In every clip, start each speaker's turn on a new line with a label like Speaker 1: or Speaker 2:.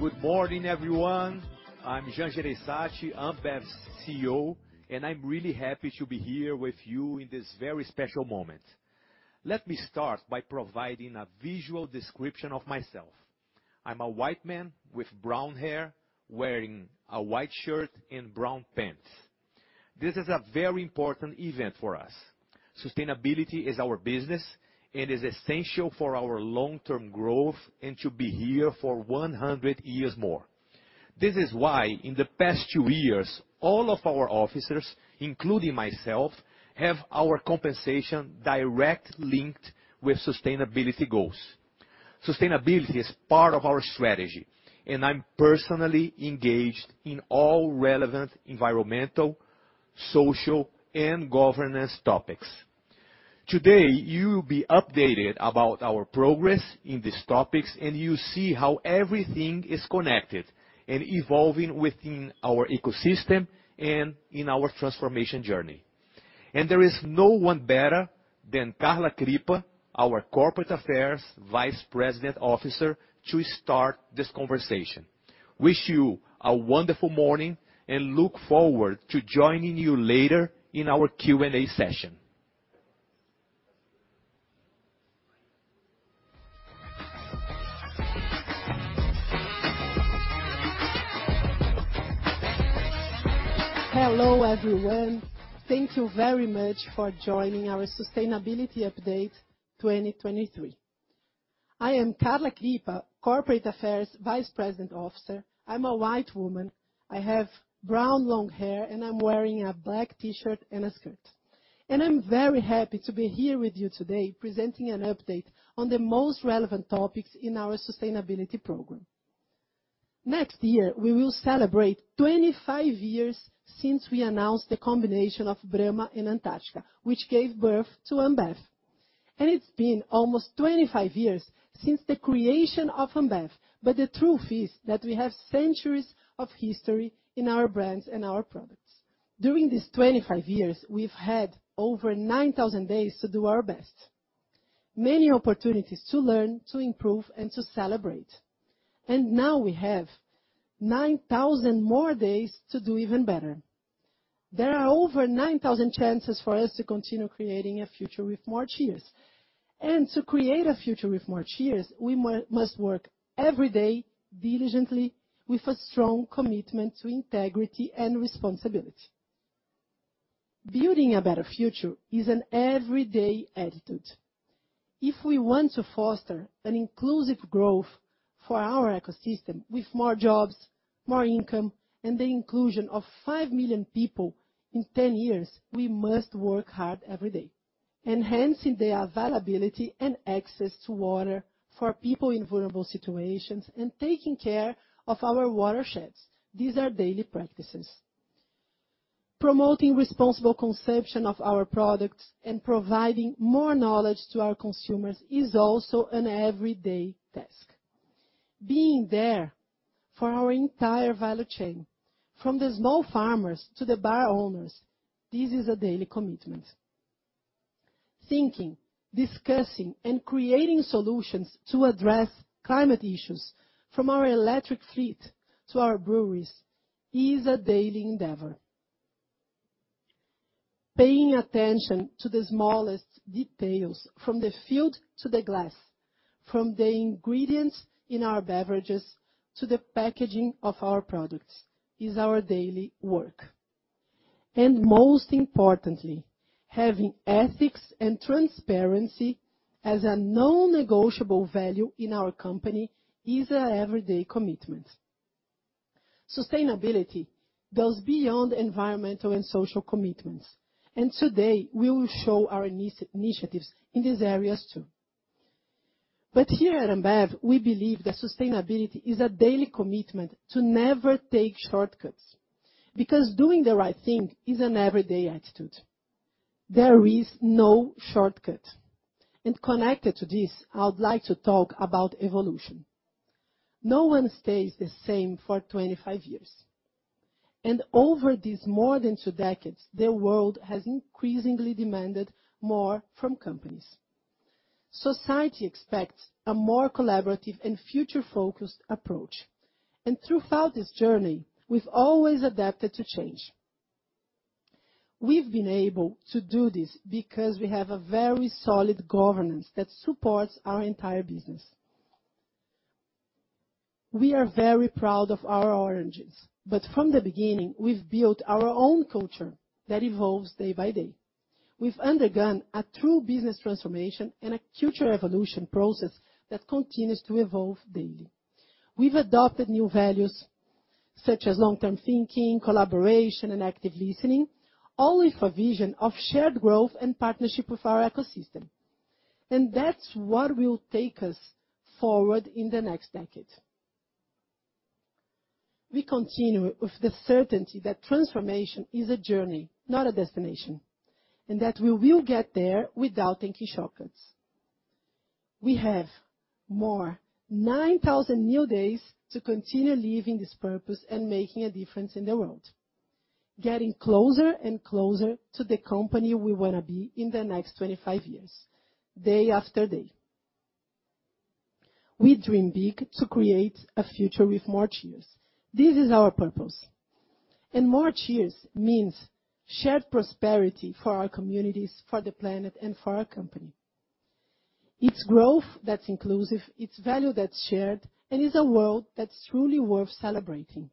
Speaker 1: Good morning, everyone. I'm Jean Jereissati, Ambev's CEO, and I'm really happy to be here with you in this very special moment. Let me start by providing a visual description of myself. I'm a white man with brown hair, wearing a white shirt and brown pants. This is a very important event for us. Sustainability is our business, and is essential for our long-term growth and to be here for 100 years more. This is why, in the past two years, all of our officers, including myself, have our compensation directly linked with sustainability goals. Sustainability is part of our strategy, and I'm personally engaged in all relevant environmental, social, and governance topics. Today, you will be updated about our progress in these topics, and you see how everything is connected and evolving within our ecosystem and in our transformation journey. There is no one better than Carla Crippa, our Corporate Affairs Vice President Officer, to start this conversation. Wish you a wonderful morning, and look forward to joining you later in our Q&A session.
Speaker 2: Hello, everyone. Thank you very much for joining our Sustainability Update 2023. I am Carla Crippa, Corporate Affairs Vice President Officer. I'm a white woman, I have brown, long hair, and I'm wearing a black T-shirt and a skirt. I'm very happy to be here with you today, presenting an update on the most relevant topics in our sustainability program. Next year, we will celebrate 25 years since we announced the combination of Brahma and Antarctica, which gave birth to Ambev. It's been almost 25 years since the creation of Ambev, but the truth is that we have centuries of history in our brands and our products. During these 25 years, we've had over 9,000 days to do our best, many opportunities to learn, to improve, and to celebrate. Now we have 9,000 more days to do even better. There are over 9,000 chances for us to continue creating a future with more cheers. To create a future with more cheers, we must work every day, diligently, with a strong commitment to integrity and responsibility. Building a better future is an everyday attitude. If we want to foster an inclusive growth for our ecosystem, with more jobs, more income, and the inclusion of 5 million people in 10 years, we must work hard every day, enhancing the availability and access to water for people in vulnerable situations and taking care of our watersheds. These are daily practices. Promoting responsible consumption of our products and providing more knowledge to our consumers is also an everyday task. Being there for our entire value chain, from the small farmers to the bar owners, this is a daily commitment. Thinking, discussing, and creating solutions to address climate issues from our electric fleet to our breweries is a daily endeavor. Paying attention to the smallest details, from the field to the glass, from the ingredients in our beverages to the packaging of our products, is our daily work. Most importantly, having ethics and transparency as a non-negotiable value in our company is an everyday commitment. Sustainability goes beyond environmental and social commitments, and today, we will show our initiatives in these areas, too. Here at Ambev, we believe that sustainability is a daily commitment to never take shortcuts, because doing the right thing is an everyday attitude. There is no shortcut. Connected to this, I would like to talk about evolution. No one stays the same for 25 years, and over these more than two decades, the world has increasingly demanded more from companies. Society expects a more collaborative and future-focused approach, and throughout this journey, we've always adapted to change. We've been able to do this because we have a very solid governance that supports our entire business. We are very proud of our origins, but from the beginning, we've built our own culture that evolves day by day. We've undergone a true business transformation and a culture evolution process that continues to evolve daily. We've adopted new values, such as long-term thinking, collaboration, and active listening, all with a vision of shared growth and partnership with our ecosystem. And that's what will take us forward in the next decade. We continue with the certainty that transformation is a journey, not a destination, and that we will get there without taking shortcuts. We have more 9,000 new days to continue living this purpose and making a difference in the world. Getting closer and closer to the company we wanna be in the next 25 years, day after day. We dream big to create a future with more cheers. This is our purpose. And more cheers means shared prosperity for our communities, for the planet, and for our company. It's growth that's inclusive, it's value that's shared, and is a world that's truly worth celebrating.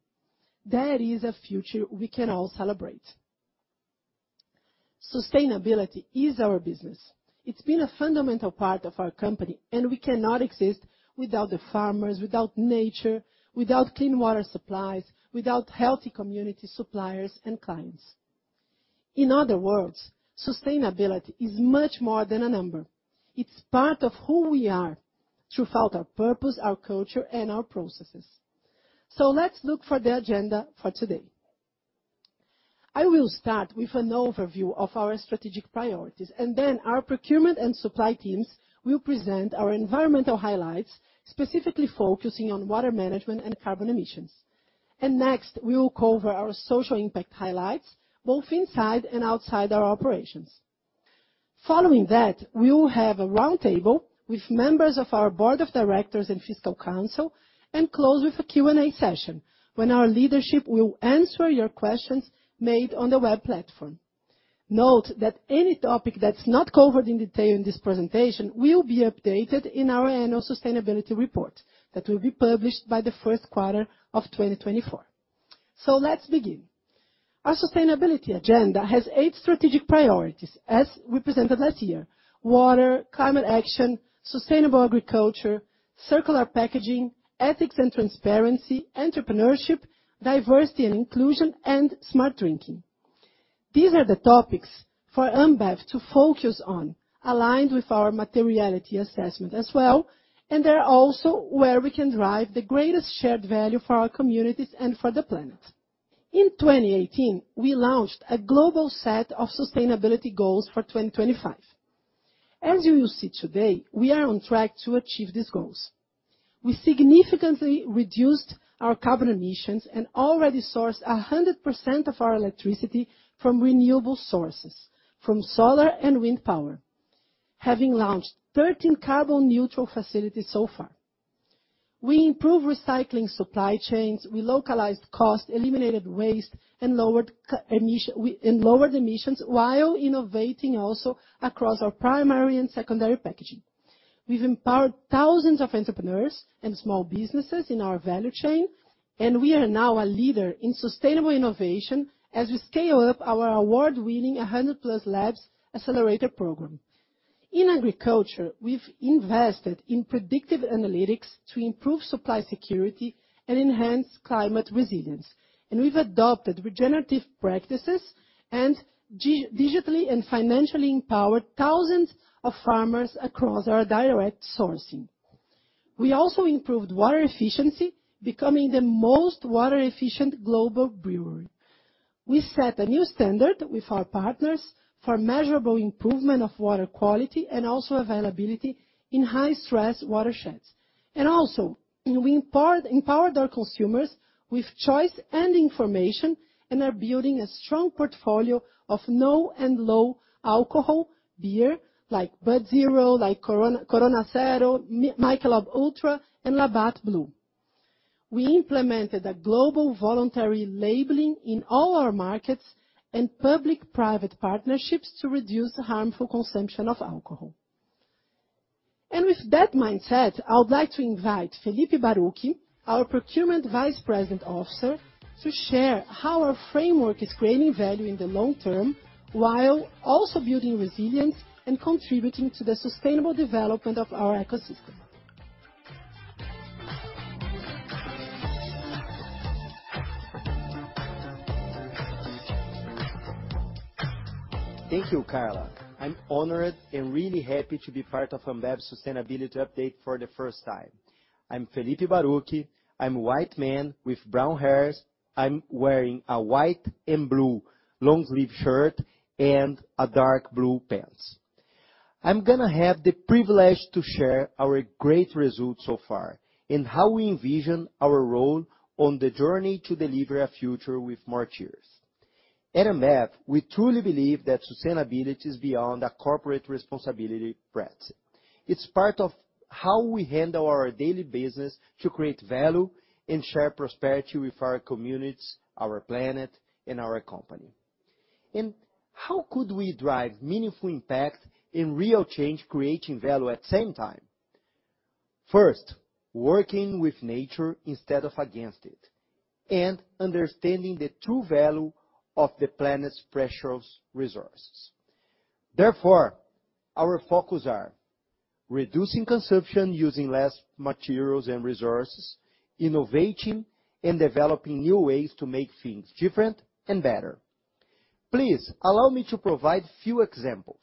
Speaker 2: That is a future we can all celebrate. Sustainability is our business. It's been a fundamental part of our company, and we cannot exist without the farmers, without nature, without clean water supplies, without healthy community suppliers and clients. In other words, sustainability is much more than a number. It's part of who we are, throughout our purpose, our culture, and our processes. So let's look for the agenda for today. I will start with an overview of our strategic priorities, and then our procurement and supply teams will present our environmental highlights, specifically focusing on water management and carbon emissions. Next, we will cover our social impact highlights, both inside and outside our operations. Following that, we will have a roundtable with members of our Board of Directors and Fiscal Council, and close with a Q&A session, when our leadership will answer your questions made on the web platform. Note that any topic that's not covered in detail in this presentation will be updated in our annual sustainability report that will be published by the Q1 of 2024. Let's begin. Our sustainability agenda has eight strategic priorities, as we presented last year: water, climate action, sustainable agriculture, circular packaging, ethics and transparency, entrepreneurship, diversity and inclusion, and smart drinking. These are the topics for Ambev to focus on, aligned with our materiality assessment as well, and they're also where we can drive the greatest shared value for our communities and for the planet. In 2018, we launched a global set of sustainability goals for 2025. As you will see today, we are on track to achieve these goals. We significantly reduced our carbon emissions and already sourced 100% of our electricity from renewable sources, from solar and wind power, having launched 13 carbon neutral facilities so far. We improved recycling supply chains, we localized costs, eliminated waste, and lowered emissions, while innovating also across our primary and secondary packaging. We've empowered thousands of entrepreneurs and small businesses in our value chain, and we are now a leader in sustainable innovation as we scale up our award-winning 100+ Labs accelerator program. In agriculture, we've invested in predictive analytics to improve supply security and enhance climate resilience, and we've adopted regenerative practices and digitally and financially empowered thousands of farmers across our direct sourcing. We also improved water efficiency, becoming the most water efficient global brewery. We set a new standard with our partners for measurable improvement of water quality and also availability in high stress watersheds. And also, we've empowered our consumers with choice and information, and are building a strong portfolio of no and low alcohol beer, like Bud Zero, like Corona, Corona Cero, Michelob ULTRA, and Labatt Blue. We implemented a global voluntary labeling in all our markets and public/private partnerships to reduce harmful consumption of alcohol. With that mindset, I would like to invite Felipe Baruch, our Procurement Vice President Officer, to share how our framework is creating value in the long term, while also building resilience and contributing to the sustainable development of our ecosystem.
Speaker 3: Thank you, Carla. I'm honored and really happy to be part of Ambev's sustainability update for the first time. I'm Felipe Baruch. I'm a white man with brown hairs. I'm wearing a white and blue long-sleeve shirt and a dark blue pants. I'm gonna have the privilege to share our great results so far, and how we envision our role on the journey to deliver a future with more cheers. At Ambev, we truly believe that sustainability is beyond a corporate responsibility practice. It's part of how we handle our daily business to create value and share prosperity with our communities, our planet, and our company. And how could we drive meaningful impact and real change, creating value at the same time? First, working with nature instead of against it, and understanding the true value of the planet's precious resources. Therefore, our focus are: reducing consumption, using less materials and resources, innovating, and developing new ways to make things different and better. Please, allow me to provide few examples.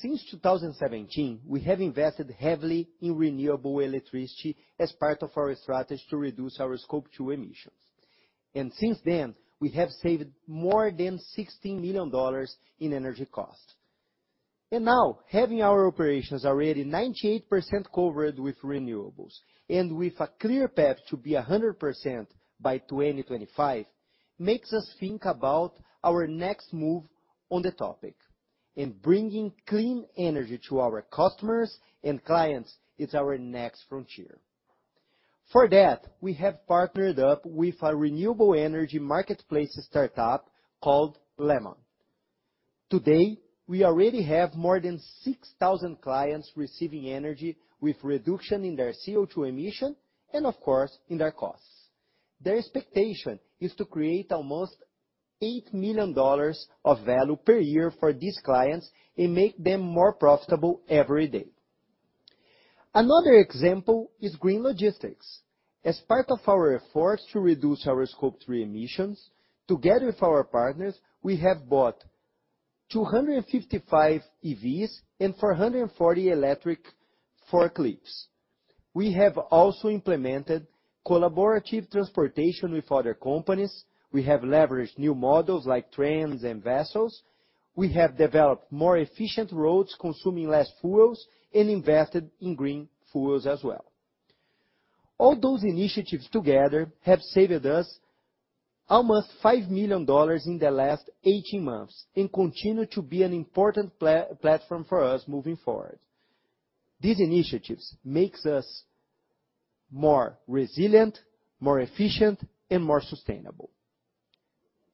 Speaker 3: Since 2017, we have invested heavily in renewable electricity as part of our strategy to reduce our Scope 2 emissions. And since then, we have saved more than $16 million in energy costs. And now, having our operations already 98% covered with renewables, and with a clear path to be 100% by 2025, makes us think about our next move on the topic, and bringing clean energy to our customers and clients is our next frontier. For that, we have partnered up with a renewable energy marketplace startup called Lemon. Today, we already have more than 6,000 clients receiving energy with reduction in their CO2 emission, and of course, in their costs. Their expectation is to create almost $8 million of value per year for these clients, and make them more profitable every day. Another example is green logistics. As part of our efforts to reduce our Scope 3 emissions, together with our partners, we have bought 255 EVs and 440 electric forklifts. We have also implemented collaborative transportation with other companies. We have leveraged new models like trains and vessels. We have developed more efficient roads, consuming less fuels, and invested in green fuels as well. All those initiatives together have saved us almost $5 million in the last 18 months, and continue to be an important platform for us moving forward. These initiatives makes us more resilient, more efficient, and more sustainable.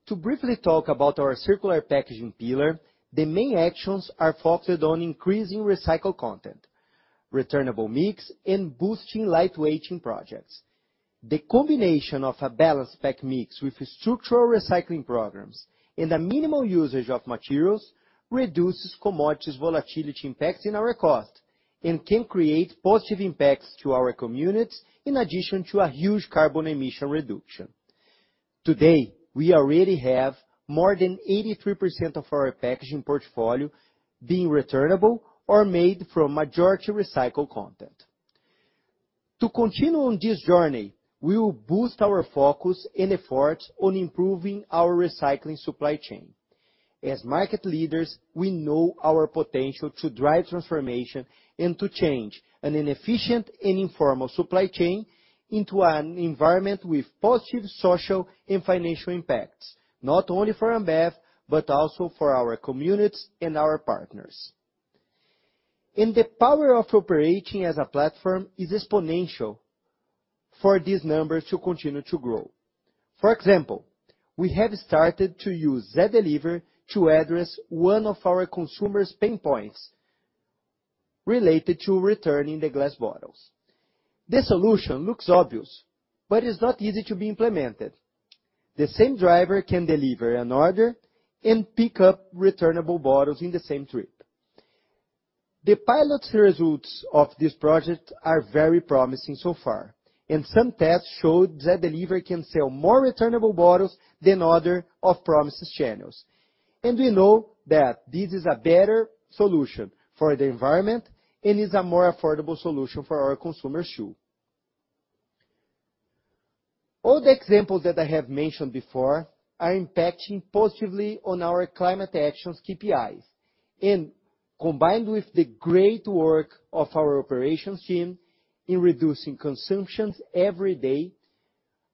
Speaker 3: To briefly talk about our circular packaging pillar, the main actions are focused on increasing recycled content, returnable mix, and boosting lightweighting projects. The combination of a balanced pack mix with structural recycling programs and a minimal usage of materials, reduces commodities volatility impacts in our cost, and can create positive impacts to our communities, in addition to a huge carbon emission reduction. Today, we already have more than 83% of our packaging portfolio being returnable or made from majority recycled content. To continue on this journey, we will boost our focus and efforts on improving our recycling supply chain. As market leaders, we know our potential to drive transformation and to change an inefficient and informal supply chain into an environment with positive social and financial impacts, not only for Ambev, but also for our communities and our partners. The power of operating as a platform is exponential for these numbers to continue to grow. For example, we have started to use Zé Delivery to address one of our consumers' pain points related to returning the glass bottles. The solution looks obvious, but it's not easy to be implemented. The same driver can deliver an order and pick up returnable bottles in the same trip. The pilot results of this project are very promising so far, and some tests showed Zé Delivery can sell more returnable bottles than other off-premise channels. We know that this is a better solution for the environment and is a more affordable solution for our consumers, too. All the examples that I have mentioned before are impacting positively on our climate actions KPIs, and combined with the great work of our operations team in reducing consumptions every day,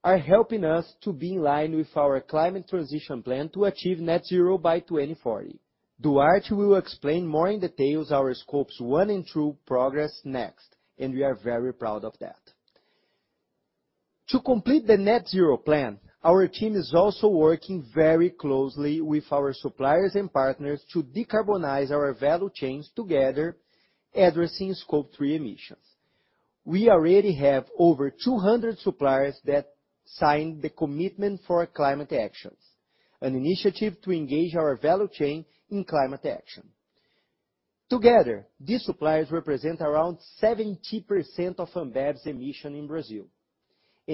Speaker 3: are helping us to be in line with our climate transition plan to achieve net zero by 2040. Duarte will explain more in details our Scopes 1 and 2 progress next, and we are very proud of that. To complete the net zero plan, our team is also working very closely with our suppliers and partners to decarbonize our value chains together, addressing Scope 3 emissions. We already have over 200 suppliers that signed the Commitment for Climate Actions, an initiative to engage our value chain in climate action. Together, these suppliers represent around 70% of Ambev's emission in Brazil.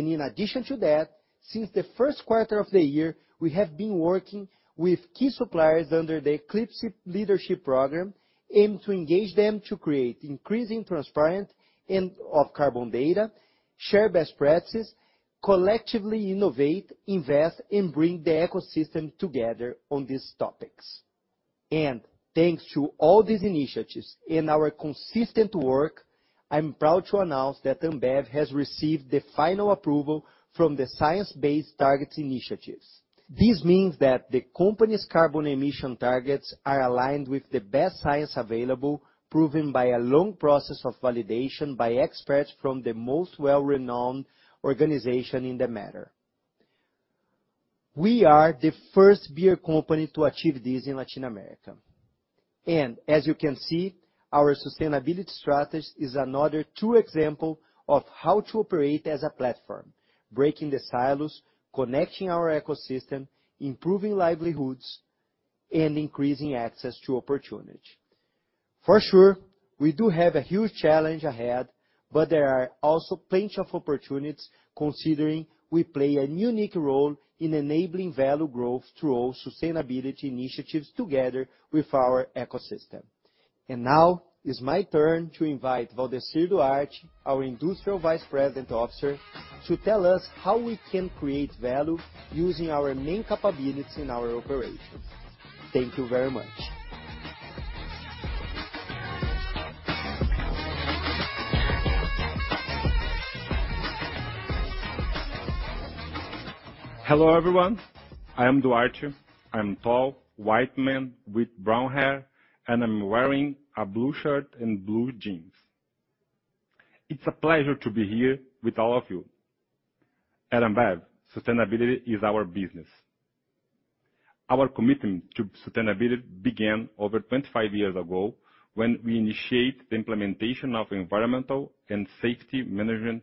Speaker 3: In addition to that, since the Q1 of the year, we have been working with key suppliers under the Eclipse Leadership Program, aimed to engage them to create increasing transparent and of carbon data, share best practices, collectively innovate, invest, and bring the ecosystem together on these topics. Thanks to all these initiatives and our consistent work, I'm proud to announce that Ambev has received the final approval from the Science Based Targets initiative. This means that the company's carbon emission targets are aligned with the best science available, proven by a long process of validation by experts from the most well-renowned organization in the matter. We are the first beer company to achieve this in Latin America. As you can see, our sustainability strategy is another true example of how to operate as a platform, breaking the silos, connecting our ecosystem, improving livelihoods, and increasing access to opportunity. For sure, we do have a huge challenge ahead, but there are also plenty of opportunities, considering we play a unique role in enabling value growth through our sustainability initiatives together with our ecosystem. Now it's my turn to invite Valdecir Duarte, our Industrial Vice President Officer, to tell us how we can create value using our main capabilities in our operations. Thank you very much!
Speaker 4: Hello, everyone. I am Duarte. I'm tall, white man with brown hair, and I'm wearing a blue shirt and blue jeans. It's a pleasure to be here with all of you. At Ambev, sustainability is our business. Our commitment to sustainability began over 25 years ago when we initiate the implementation of environmental and safety management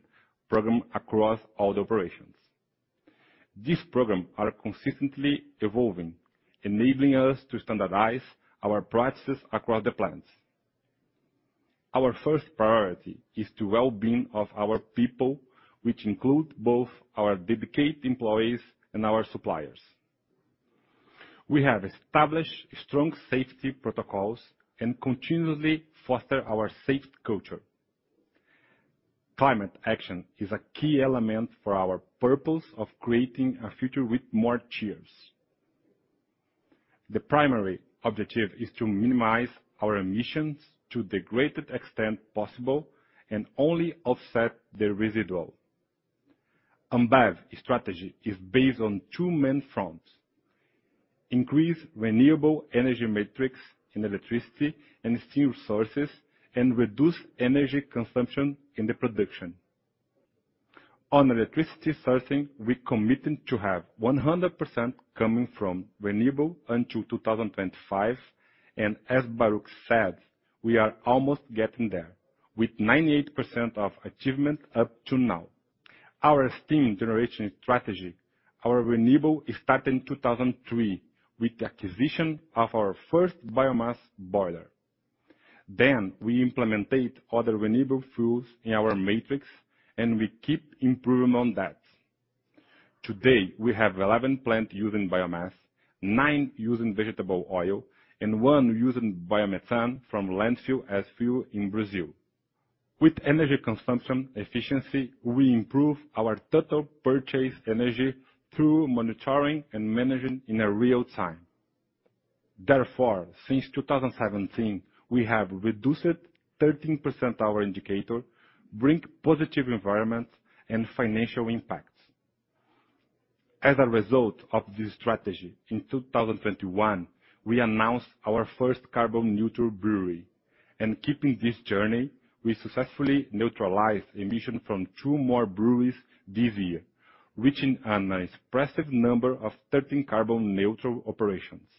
Speaker 4: program across all the operations. These program are consistently evolving, enabling us to standardize our practices across the plants. Our first priority is the well-being of our people, which include both our dedicated employees and our suppliers. We have established strong safety protocols and continuously foster our safe culture. Climate action is a key element for our purpose of creating a future with more cheers. The primary objective is to minimize our emissions to the greatest extent possible and only offset the residual. Ambev strategy is based on two main fronts: increase renewable energy metrics in electricity and steam sources, and reduce energy consumption in the production. On electricity sourcing, we committed to have 100% coming from renewable until 2025, and as Baruch said, we are almost getting there, with 98% of achievement up to now. Our steam generation strategy, our renewable, started in 2003 with the acquisition of our first biomass boiler. Then, we implemented other renewable fuels in our matrix, and we keep improving on that. Today, we have 11 plants using biomass, 9 using vegetable oil, and 1 using biomethane from landfill as fuel in Brazil. With energy consumption efficiency, we improve our total purchase energy through monitoring and managing in real time. Therefore, since 2017, we have reduced 13% our indicator, bring positive environment and financial impacts. As a result of this strategy, in 2021, we announced our first carbon neutral brewery. Keeping this journey, we successfully neutralized emission from 2 more breweries this year, reaching an expressive number of 13 carbon neutral operations.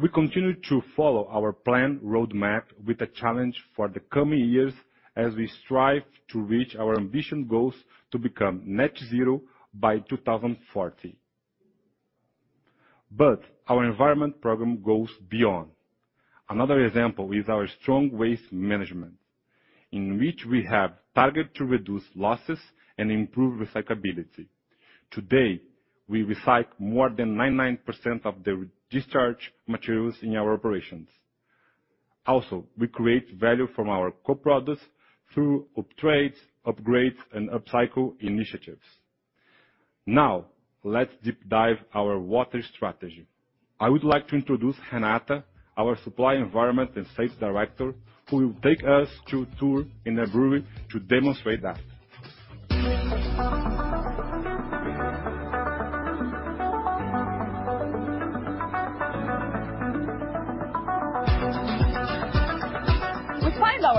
Speaker 4: We continue to follow our plan roadmap with a challenge for the coming years as we strive to reach our ambition goals to become Net Zero by 2040. Our environment program goes beyond. Another example is our strong waste management, in which we have targeted to reduce losses and improve recyclability. Today, we recycle more than 99% of the discharge materials in our operations. Also, we create value from our co-products through uptrades, upgrades, and upcycle initiatives. Now, let's deep dive our water strategy. I would like to introduce Renata, our Supply Environment and Safety Director, who will take us to tour in a brewery to demonstrate that.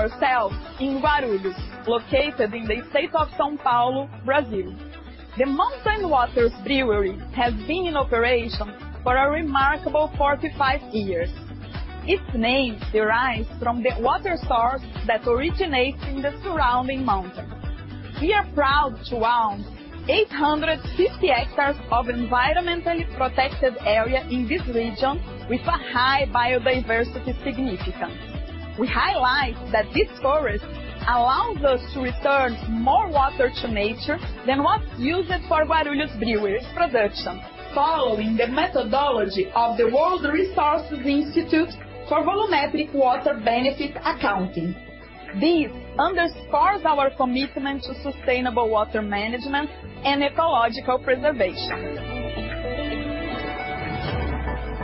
Speaker 5: We find ourselves in Guarulhos, located in the state of São Paulo, Brazil. The Mountain Waters Brewery has been in operation for a remarkable 45 years. Its name derives from the water source that originates in the surrounding mountain. We are proud to own 850 hectares of environmentally protected area in this region with a high biodiversity significance. We highlight that this forest allows us to return more water to nature than what's used for Guarulhos Brewery's production. Following the methodology of the World Resources Institute for Volumetric Water Benefit Accounting, this underscores our commitment to sustainable water management and ecological preservation.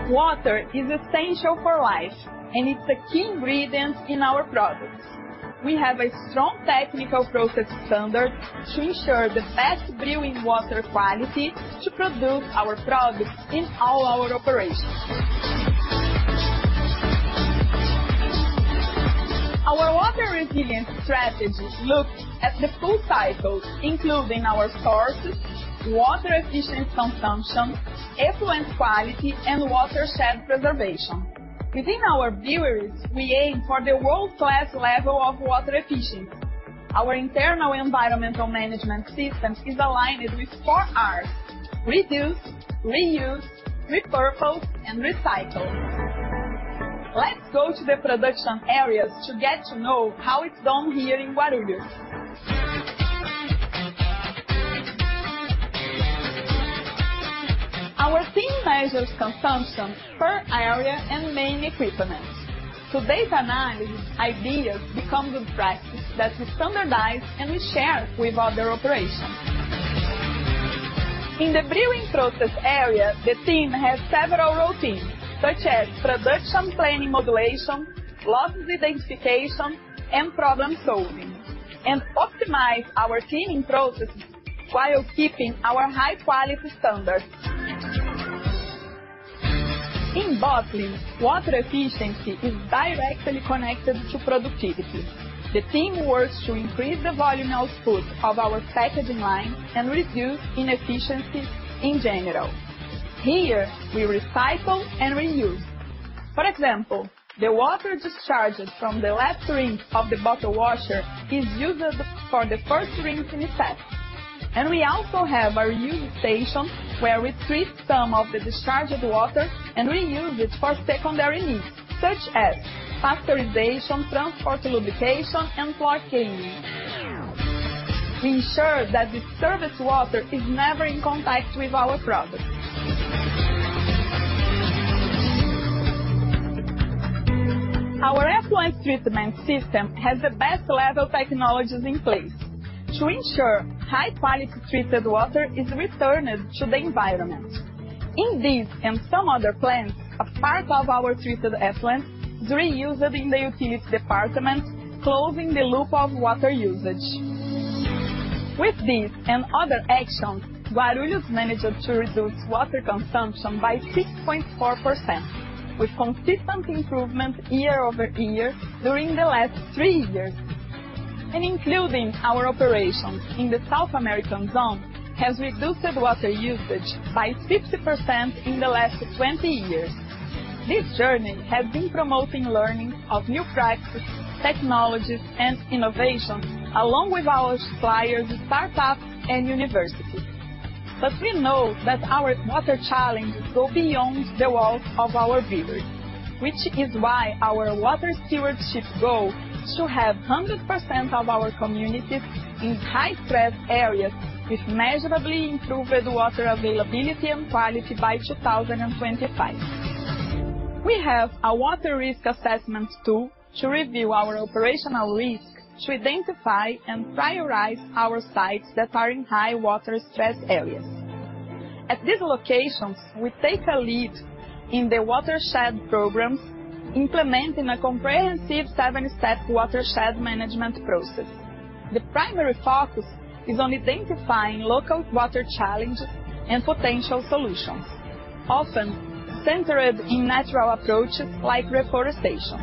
Speaker 5: Water is essential for life, and it's a key ingredient in our products. We have a strong technical process standard to ensure the best brewing water quality to produce our products in all our operations. Our water resilience strategy looks at the full cycle, including our sources, water efficient consumption, effluent quality, and watershed preservation. Within our breweries, we aim for the world-class level of water efficiency. Our internal environmental management system is aligned with four Rs: reduce, reuse, repurpose, and recycle. Let's go to the production areas to get to know how it's done here in Guarulhos. Our team measures consumption per area and main equipment. Through data analysis, ideas become good practice that we standardize and we share with other operations.... In the brewing process area, the team has several routines, such as production planning, modulation, losses identification, and problem solving, and optimize our cleaning processes while keeping our high quality standards. In bottling, water efficiency is directly connected to productivity. The team works to increase the volume output of our packaging line and reduce inefficiencies in general. Here, we recycle and reuse. For example, the water discharges from the last rinse of the bottle washer is used for the first rinse in effect. We also have a reuse station, where we treat some of the discharged water and reuse it for secondary needs, such as pasteurization, transport, lubrication, and floor cleaning. We ensure that this service water is never in contact with our products. Our effluent treatment system has the best level technologies in place to ensure high quality treated water is returned to the environment. In this and some other plants, a part of our treated effluents is reused in the utilities department, closing the loop of water usage. With this and other actions, Guarulhos managed to reduce water consumption by 6.4%, with consistent improvement year-over-year during the last three years. Including our operations in the South America Zone has reduced water usage by 50% in the last 20 years. This journey has been promoting learning of new practices, technologies, and innovation, along with our suppliers, startups, and universities. But we know that our water challenges go beyond the walls of our brewers, which is why our water stewardship goal is to have 100% of our communities in high-stress areas with measurably improved water availability and quality by 2025. We have a water risk assessment tool to review our operational risk, to identify and prioritize our sites that are in high water stress areas. At these locations, we take a lead in the watershed programs, implementing a comprehensive seven-step watershed management process. The primary focus is on identifying local water challenges and potential solutions, often centered in natural approaches like reforestation.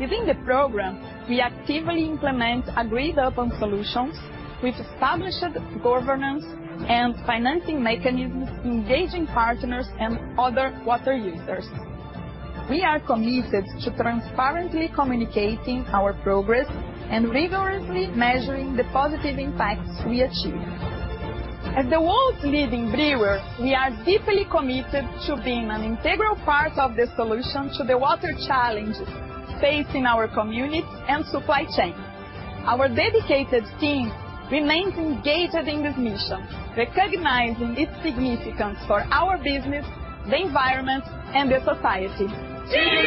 Speaker 5: Within the program, we actively implement agreed-upon solutions with established governance and financing mechanisms, engaging partners and other water users. We are committed to transparently communicating our progress and rigorously measuring the positive impacts we achieve. As the world's leading brewer, we are deeply committed to being an integral part of the solution to the water challenges facing our communities and supply chain. Our dedicated team remains engaged in this mission, recognizing its significance for our business, the environment, and the society. Cheers!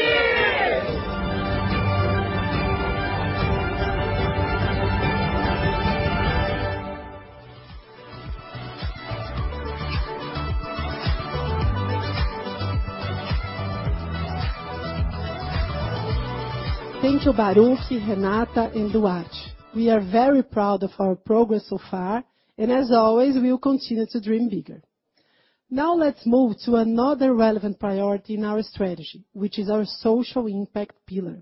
Speaker 2: Thank you, Baruch, Renata, and Duarte. We are very proud of our progress so far, and as always, we will continue to dream bigger. Now, let's move to another relevant priority in our strategy, which is our social impact pillar.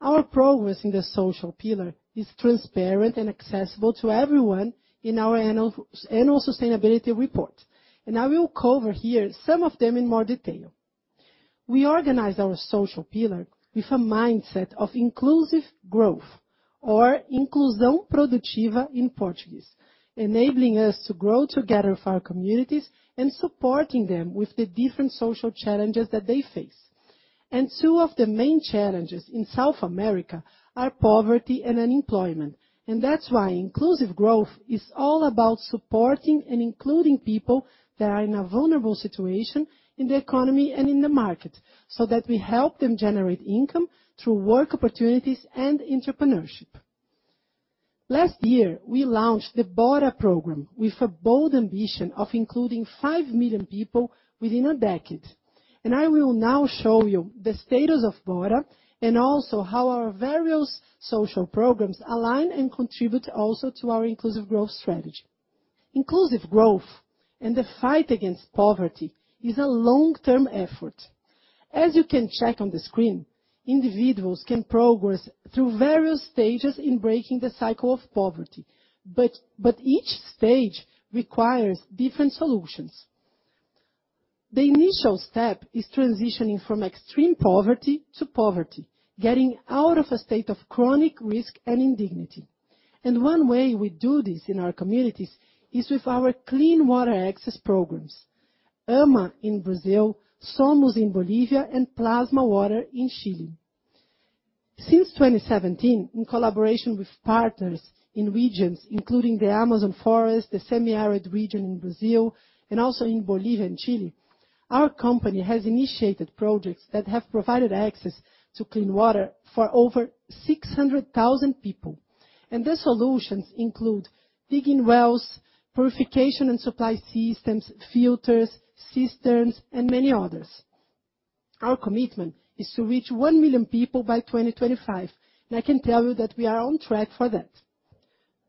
Speaker 2: Our progress in the social pillar is transparent and accessible to everyone in our annual sustainability report, and I will cover here some of them in more detail. We organize our social pillar with a mindset of inclusive growth or inclusão produtiva in Portuguese, enabling us to grow together with our communities and supporting them with the different social challenges that they face. Two of the main challenges in South America are poverty and unemployment, and that's why inclusive growth is all about supporting and including people that are in a vulnerable situation in the economy and in the market, so that we help them generate income through work opportunities and entrepreneurship. Last year, we launched the BORA program with a bold ambition of including 5 million people within a decade. I will now show you the status of BORA, and also how our various social programs align and contribute also to our inclusive growth strategy. Inclusive growth and the fight against poverty is a long-term effort. As you can check on the screen, individuals can progress through various stages in breaking the cycle of poverty, but each stage requires different solutions. The initial step is transitioning from extreme poverty to poverty, getting out of a state of chronic risk and indignity. And one way we do this in our communities is with our clean water access programs, AMA in Brazil, Somos in Bolivia, and Plasma Water in Chile. Since 2017, in collaboration with partners in regions including the Amazon Forest, the semi-arid region in Brazil, and also in Bolivia and Chile. Our company has initiated projects that have provided access to clean water for over 600,000 people, and the solutions include digging wells, purification and supply systems, filters, cisterns, and many others. Our commitment is to reach 1 million people by 2025, and I can tell you that we are on track for that.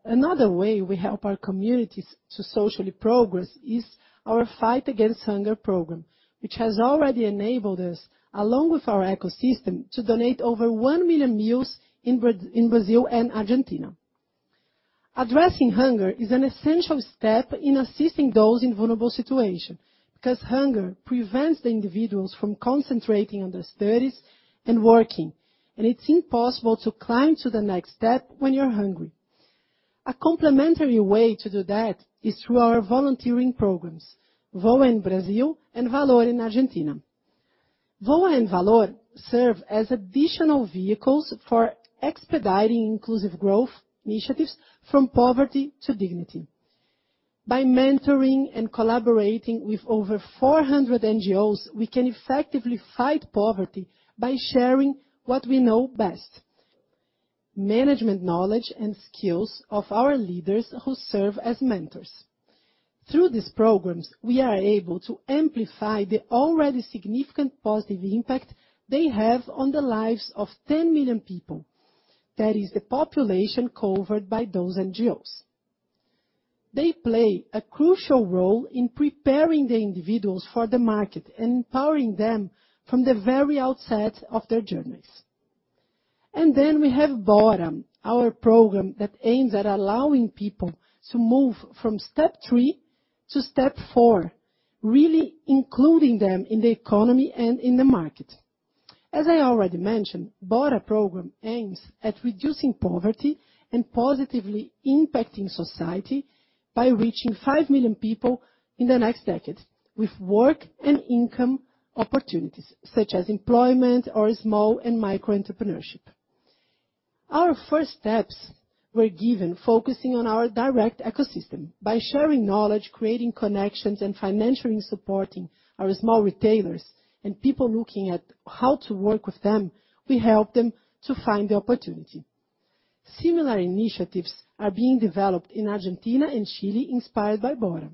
Speaker 2: Another way we help our communities to socially progress is our Fight Against Hunger program, which has already enabled us, along with our ecosystem, to donate over 1 million meals in Brazil and Argentina. Addressing hunger is an essential step in assisting those in vulnerable situations, because hunger prevents the individuals from concentrating on their studies and working, and it's impossible to climb to the next step when you're hungry. A complementary way to do that is through our volunteering programs, VOA in Brazil and VALOR in Argentina. VOA and VALOR serve as additional vehicles for expediting inclusive growth initiatives from poverty to dignity. By mentoring and collaborating with over 400 NGOs, we can effectively fight poverty by sharing what we know best: management knowledge and skills of our leaders who serve as mentors. Through these programs, we are able to amplify the already significant positive impact they have on the lives of 10 million people. That is the population covered by those NGOs. They play a crucial role in preparing the individuals for the market and empowering them from the very outset of their journeys. And then we have BORA, our program that aims at allowing people to move from step three to step four, really including them in the economy and in the market. As I already mentioned, BORA program aims at reducing poverty and positively impacting society by reaching 5 million people in the next decade with work and income opportunities, such as employment or small and micro-entrepreneurship. Our first steps were given focusing on our direct ecosystem. By sharing knowledge, creating connections, and financially supporting our small retailers and people looking at how to work with them, we help them to find the opportunity. Similar initiatives are being developed in Argentina and Chile, inspired by BORA.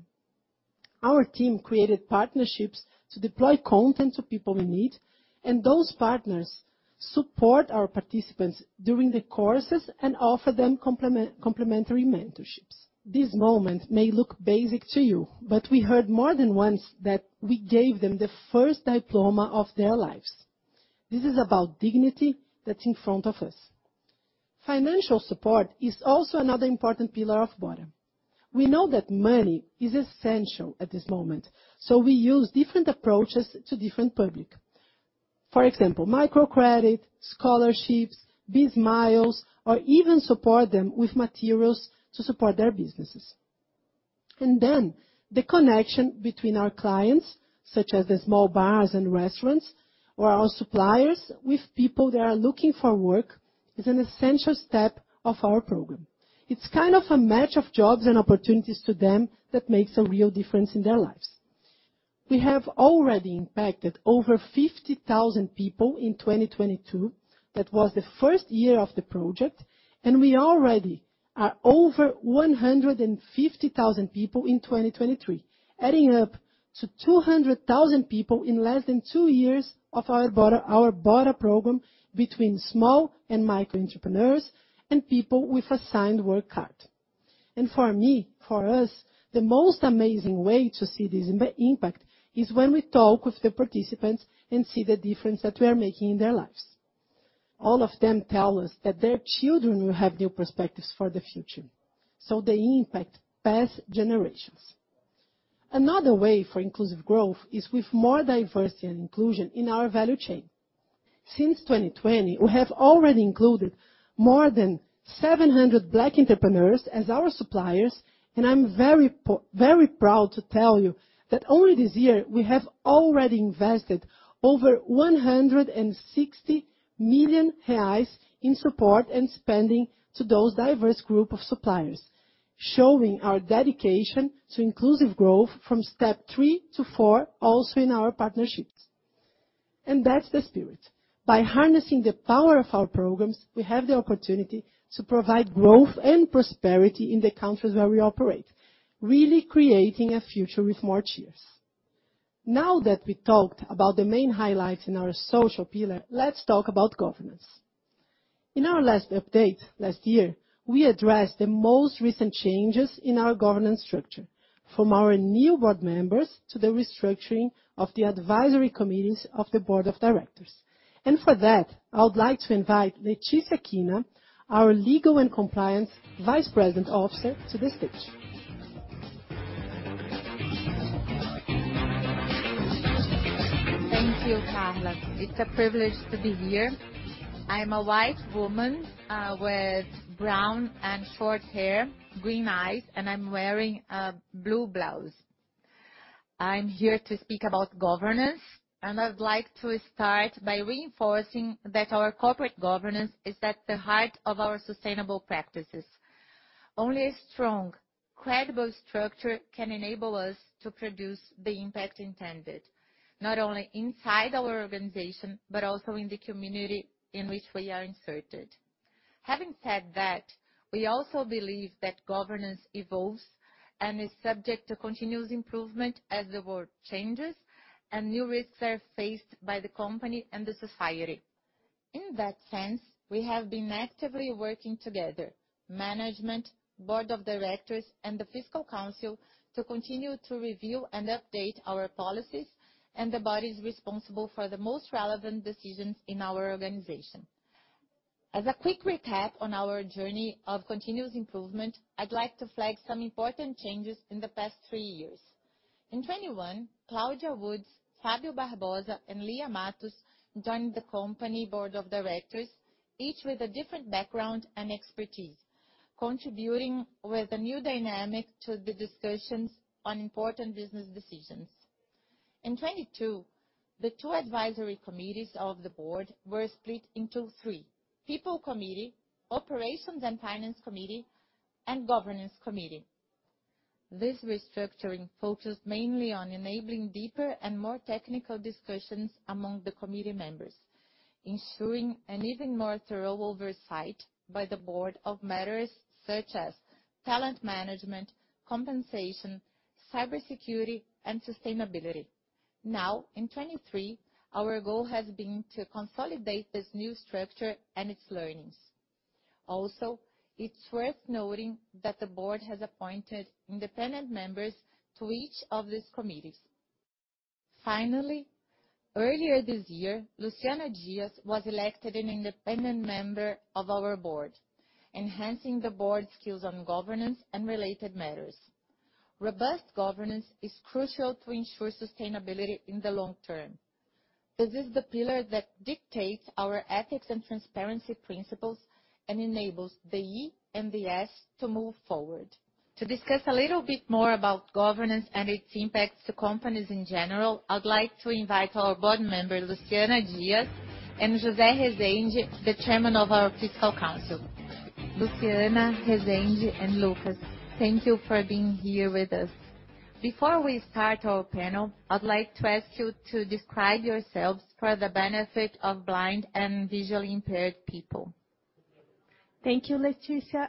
Speaker 2: Our team created partnerships to deploy content to people in need, and those partners support our participants during the courses and offer them complementary mentorships. This moment may look basic to you, but we heard more than once that we gave them the first diploma of their lives. This is about dignity that's in front of us. Financial support is also another important pillar of BORA. We know that money is essential at this moment, so we use different approaches to different public. For example, microcredit, scholarships, BizMiles, or even support them with materials to support their businesses. Then the connection between our clients, such as the small bars and restaurants, or our suppliers with people that are looking for work, is an essential step of our program. It's kind of a match of jobs and opportunities to them that makes a real difference in their lives. We have already impacted over 50,000 people in 2022. That was the first year of the project, and we already are over 150,000 people in 2023, adding up to 200,000 people in less than two years of our BORA, our BORA program between small and micro entrepreneurs and people with assigned work card. For me, for us, the most amazing way to see this impact is when we talk with the participants and see the difference that we are making in their lives. All of them tell us that their children will have new perspectives for the future, so they impact past generations. Another way for inclusive growth is with more diversity and inclusion in our value chain. Since 2020, we have already included more than 700 black entrepreneurs as our suppliers, and I'm very proud to tell you that only this year, we have already invested over 160 million reais in support and spending to those diverse group of suppliers, showing our dedication to inclusive growth from step three to four, also in our partnerships. And that's the spirit. By harnessing the power of our programs, we have the opportunity to provide growth and prosperity in the countries where we operate, really creating a future with more cheers. Now that we talked about the main highlights in our social pillar, let's talk about governance. In our last update, last year, we addressed the most recent changes in our governance structure, from our new board members to the restructuring of the advisory committees of the board of directors. For that, I would like to invite Letícia Kina, our Legal and Compliance Vice President Officer, to the stage.
Speaker 6: Thank you, Carla. It's a privilege to be here. I'm a white woman with brown and short hair, green eyes, and I'm wearing a blue blouse. I'm here to speak about governance, and I'd like to start by reinforcing that our corporate governance is at the heart of our sustainable practices. Only a strong, credible structure can enable us to produce the impact intended, not only inside our organization, but also in the community in which we are inserted. Having said that, we also believe that governance evolves and is subject to continuous improvement as the world changes and new risks are faced by the company and the society. In that sense, we have been actively working together, management, Board of Directors, and the Fiscal Council, to continue to review and update our policies and the bodies responsible for the most relevant decisions in our organization. As a quick recap on our journey of continuous improvement, I'd like to flag some important changes in the past three years. In 2021, Claudia Woods, Fabio Barbosa, and Lia Matos joined the company board of directors, each with a different background and expertise, contributing with a new dynamic to the discussions on important business decisions. In 2022, the two advisory committees of the board were split into three: People Committee, Operations and Finance Committee, and Governance Committee. This restructuring focused mainly on enabling deeper and more technical discussions among the committee members, ensuring an even more thorough oversight by the board of matters such as talent management, compensation, cybersecurity, and sustainability. Now, in 2023, our goal has been to consolidate this new structure and its learnings. Also, it's worth noting that the board has appointed independent members to each of these committees. Finally, earlier this year, Luciana Dias was elected an independent member of our board, enhancing the board's skills on governance and related matters. Robust governance is crucial to ensure sustainability in the long term. This is the pillar that dictates our ethics and transparency principles and enables the E and the S to move forward. To discuss a little bit more about governance and its impacts to companies in general, I'd like to invite our board member, Luciana Dias, and José Rezende, the chairman of our Fiscal Council. Luciana, Rezende, and Lucas, thank you for being here with us. Before we start our panel, I'd like to ask you to describe yourselves for the benefit of blind and visually impaired people.
Speaker 7: Thank you, Letícia.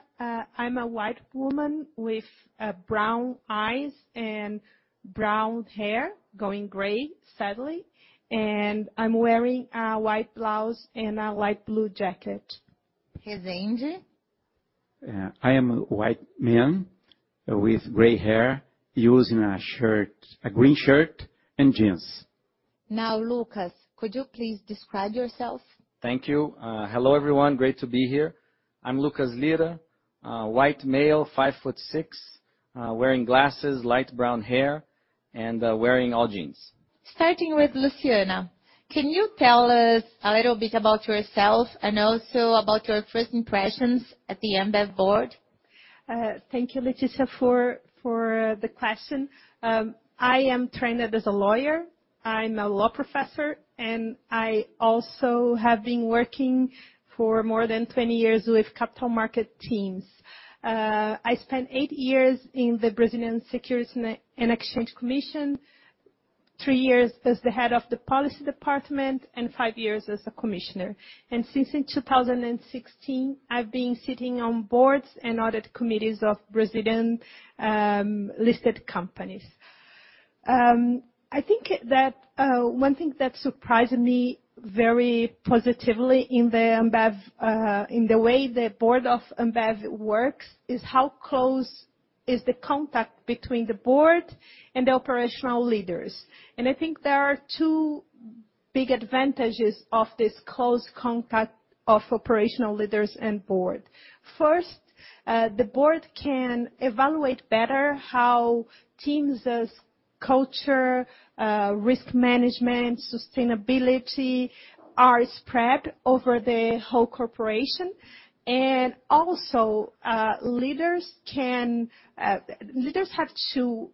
Speaker 7: I'm a white woman with brown eyes and brown hair, going gray, sadly, and I'm wearing a white blouse and a light blue jacket.
Speaker 6: Rezende?
Speaker 8: I am a white man with gray hair, using a green shirt and jeans.
Speaker 6: Now, Lucas, could you please describe yourself?
Speaker 9: Thank you. Hello, everyone. Great to be here. I'm Lucas Lira, a white male, 5 foot 6, wearing glasses, light brown hair, and wearing all jeans.
Speaker 6: Starting with Luciana, can you tell us a little bit about yourself and also about your first impressions at the Ambev board?
Speaker 7: Thank you, Letícia, for the question. I am trained as a lawyer, I'm a law professor, and I also have been working for more than 20 years with capital market teams. I spent eight years in the Brazilian Securities and Exchange Commission, three years as the head of the policy department, and five years as a commissioner. And since in 2016, I've been sitting on boards and audit committees of Brazilian listed companies. I think that one thing that surprised me very positively in Ambev, in the way the board of Ambev works, is how close is the contact between the board and the operational leaders. And I think there are two big advantages of this close contact of operational leaders and board. First, the board can evaluate better how teams as culture, risk management, sustainability, are spread over the whole corporation. And also, leaders have to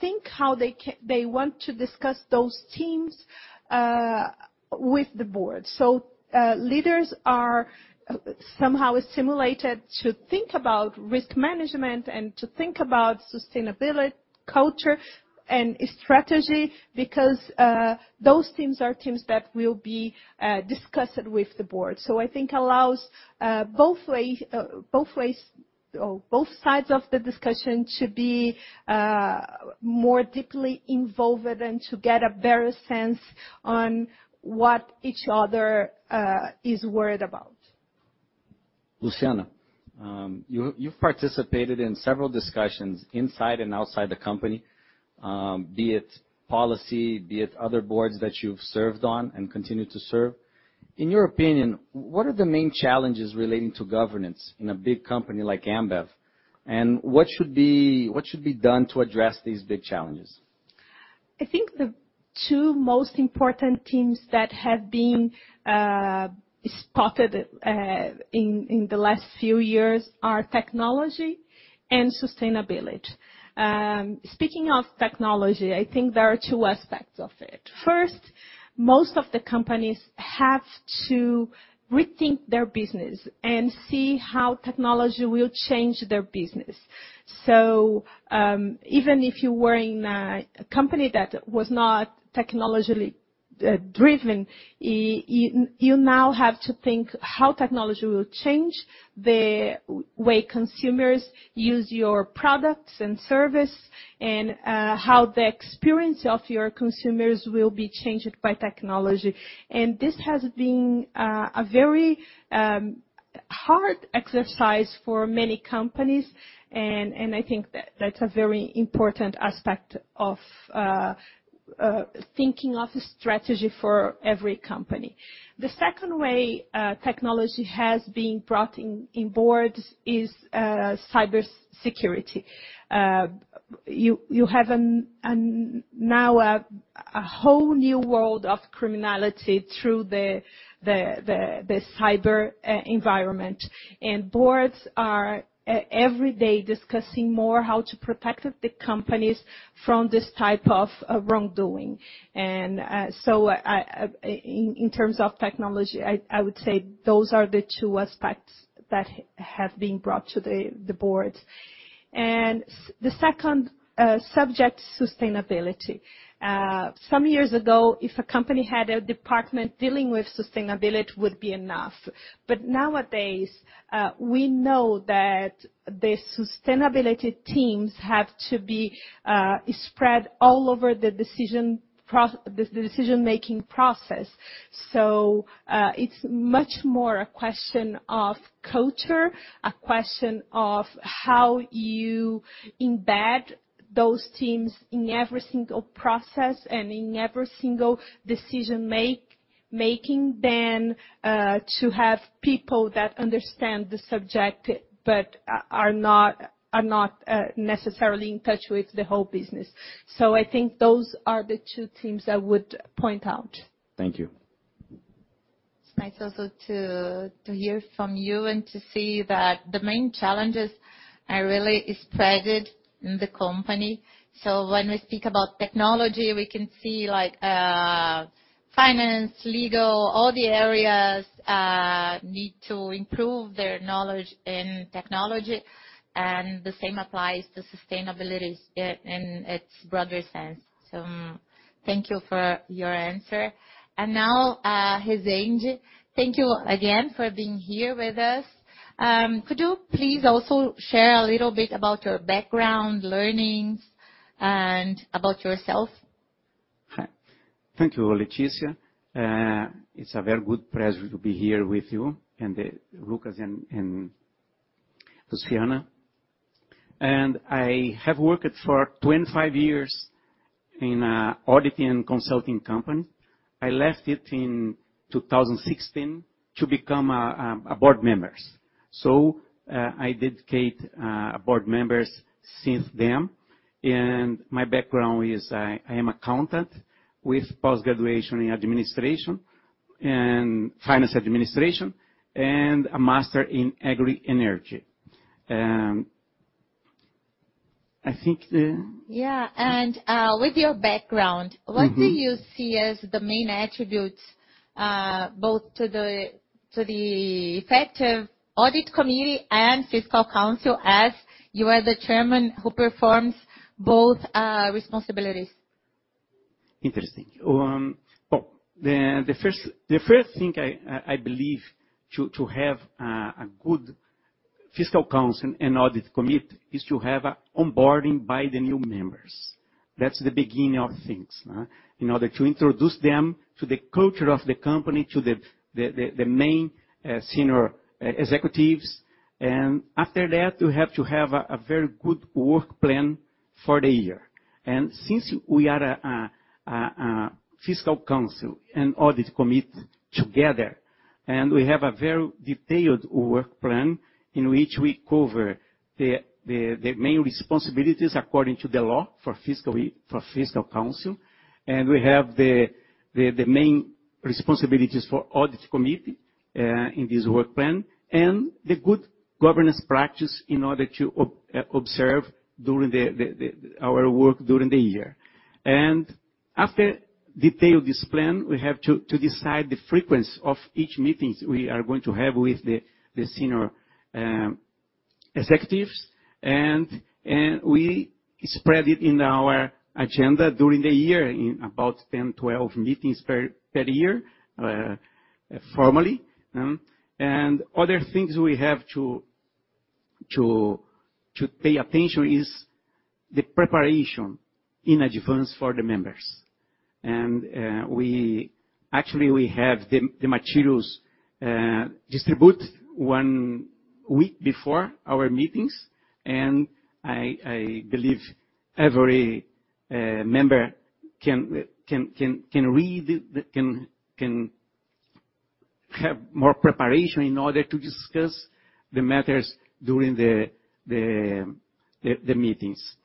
Speaker 7: think how they want to discuss those teams with the board. So, leaders are somehow stimulated to think about risk management and to think about sustainability, culture, and strategy, because those teams are teams that will be discussed with the board. So I think allows both way, both ways, or both sides of the discussion to be more deeply involved and to get a better sense on what each other is worried about.
Speaker 9: Luciana, you, you've participated in several discussions inside and outside the company, be it policy, be it other boards that you've served on and continue to serve. In your opinion, what are the main challenges relating to governance in a big company like Ambev? And what should be done to address these big challenges?
Speaker 7: I think the two most important teams that have been spotted in the last few years are technology and sustainability. Speaking of technology, I think there are two aspects of it. First, most of the companies have to rethink their business and see how technology will change their business. So, even if you were in a company that was not technologically driven, you now have to think how technology will change the way consumers use your products and service, and how the experience of your consumers will be changed by technology. And this has been a very hard exercise for many companies, and I think that that's a very important aspect of thinking of a strategy for every company. The second way technology has been brought in boards is cybersecurity. You have now a whole new world of criminality through the cyber environment. And boards are every day discussing more how to protect the companies from this type of wrongdoing. And so, in terms of technology, I would say those are the two aspects that have been brought to the board. And the second subject, sustainability. Some years ago, if a company had a department dealing with sustainability would be enough. But nowadays, we know that the sustainability teams have to be spread all over the decision-making process. So, it's much more a question of culture, a question of how you embed those teams in every single process and in every single decision making, than to have people that understand the subject, but are not necessarily in touch with the whole business. So I think those are the two teams I would point out.
Speaker 9: Thank you.
Speaker 6: It's nice also to, to hear from you and to see that the main challenges are really spread in the company. So when we speak about technology, we can see, like, finance, legal, all the areas need to improve their knowledge in technology, and the same applies to sustainability in, in its broader sense. So thank you for your answer. And now, Rezende, thank you again for being here with us. Could you please also share a little bit about your background, learnings, and about yourself?
Speaker 8: Hi. Thank you, Letícia. It's a very good pleasure to be here with you and Lucas and Luciana. I have worked for 25 years in an auditing and consulting company. I left it in 2016 to become a board member. So, I dedicate board member since then, and my background is I am accountant with post-graduation in administration and finance administration, and a master in agri-energy. I think the-
Speaker 6: Yeah, and with your background-
Speaker 8: Mm-hmm.
Speaker 6: What do you see as the main attributes both to the effective Audit Committee and Fiscal Council, as you are the chairman who performs both responsibilities?
Speaker 8: Interesting. Well, the first thing I believe to have a good Fiscal Council and audit committee is to have an onboarding by the new members. That's the beginning of things, in order to introduce them to the culture of the company, to the main senior executives. And after that, you have to have a very good work plan for the year. Since we are a Fiscal Council and audit committee together, and we have a very detailed work plan in which we cover the main responsibilities according to the law for Fiscal Council, and we have the main responsibilities for audit committee in this work plan, and the good governance practice in order to observe during our work during the year. After detail this plan, we have to decide the frequency of each meetings we are going to have with the senior executives, and we spread it in our agenda during the year, in about 10-12 meetings per year, formally. Other things we have to pay attention is the preparation in advance for the members. Actually, we have the materials distributed one week before our meetings, and I believe every member can read, can have more preparation in order to discuss the matters during the meetings.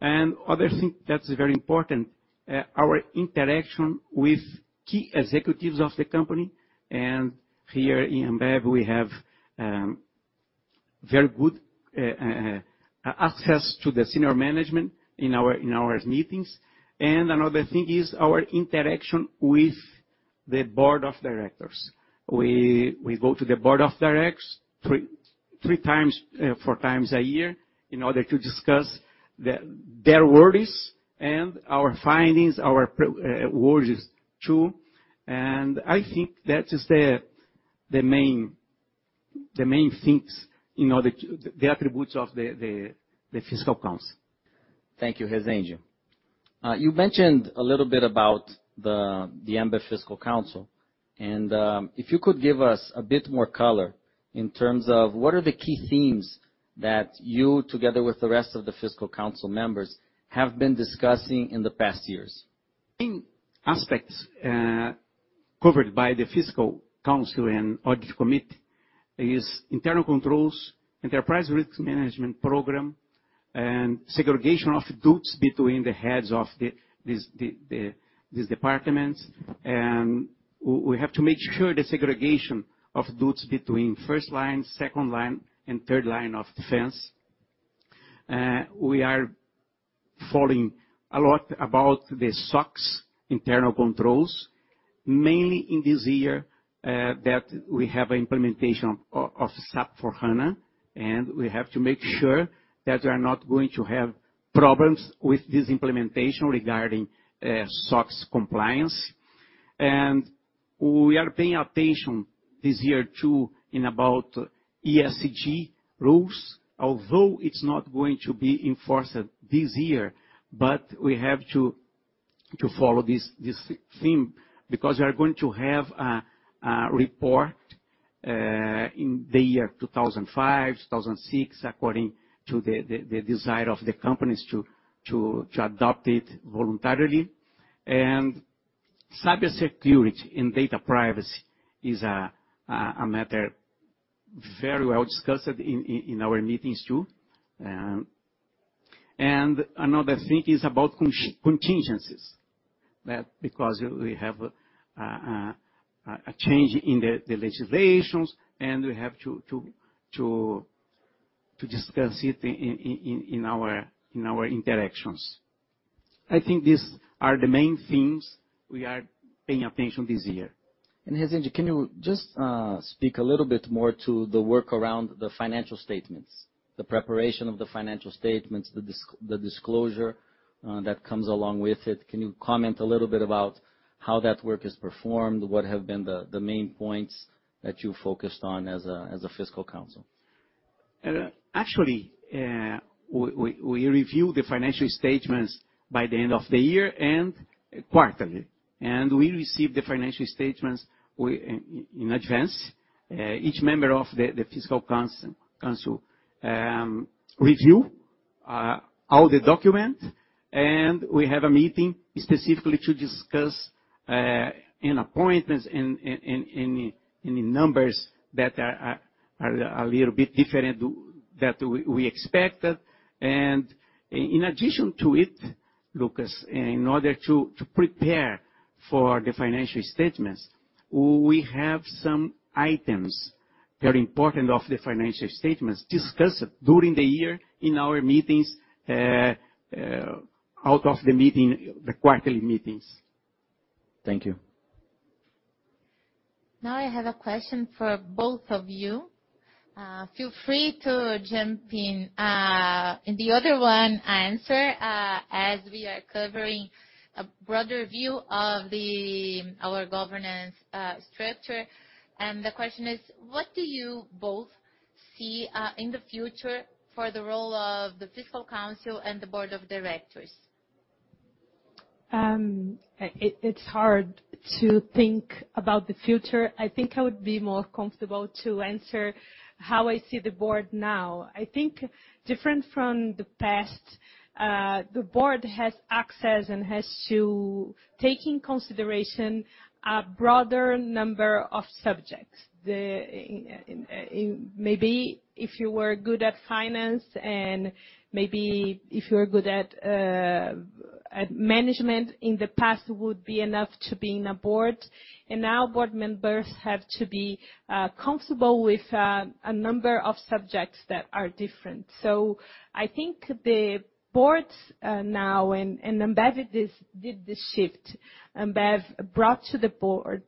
Speaker 8: And other thing that's very important, our interaction with key executives of the company. And here in Ambev, we have very good access to the senior management in our meetings. And another thing is our interaction with the board of directors. We go to the board of directors three, four times a year in order to discuss their worries and our findings, our worries, too. And I think that is the main things in order to the attributes of the Fiscal Council.
Speaker 9: Thank you, Rezende. You mentioned a little bit about the Ambev Fiscal Council, and if you could give us a bit more color in terms of what are the key themes that you, together with the rest of the Fiscal Council members, have been discussing in the past years?
Speaker 8: In aspects covered by the Fiscal Council and Audit Committee, is internal controls, enterprise risk management program, and segregation of duties between the heads of these departments. And we have to make sure the segregation of duties between first line, second line, and third line of defense. We are following a lot about the SOX internal controls, mainly in this year that we have an implementation of SAP S/4HANA, and we have to make sure that we are not going to have problems with this implementation regarding SOX compliance. We are paying attention this year, too, to ESG rules, although it's not going to be enforced this year, but we have to follow this theme, because we are going to have a report in the year 2005, 2006, according to the desire of the companies to adopt it voluntarily. Cybersecurity and data privacy is a matter very well discussed in our meetings, too. Another thing is about contingencies, because we have a change in the legislations, and we have to discuss it in our interactions. I think these are the main things we are paying attention this year.
Speaker 9: Rezende, can you just speak a little bit more to the work around the financial statements, the preparation of the financial statements, the disclosure that comes along with it? Can you comment a little bit about how that work is performed, what have been the main points that you focused on as a Fiscal Council?
Speaker 8: Actually, we review the financial statements by the end of the year and quarterly. And we receive the financial statements in advance. Each member of the Fiscal Council reviews all the documents, and we have a meeting specifically to discuss any appointments and any numbers that are a little bit different to that we expected. And in addition to it, Lucas, in order to prepare for the financial statements, we have some items, very important of the financial statements, discussed during the year in our meetings out of the quarterly meetings.
Speaker 9: Thank you.
Speaker 6: Now, I have a question for both of you. Feel free to jump in, in the other one answer, as we are covering a broader view of our governance structure. The question is: what do you both see in the future for the role of the Fiscal Council and the board of directors?
Speaker 7: It's hard to think about the future. I think I would be more comfortable to answer how I see the board now. I think different from the past, the board has access and has to take in consideration a broader number of subjects. Maybe if you were good at finance and maybe if you are good at, at management, in the past, it would be enough to be in a board. And now board members have to be, comfortable with, a number of subjects that are different. So I think the boards now, and Ambev did this, did this shift. Ambev brought to the board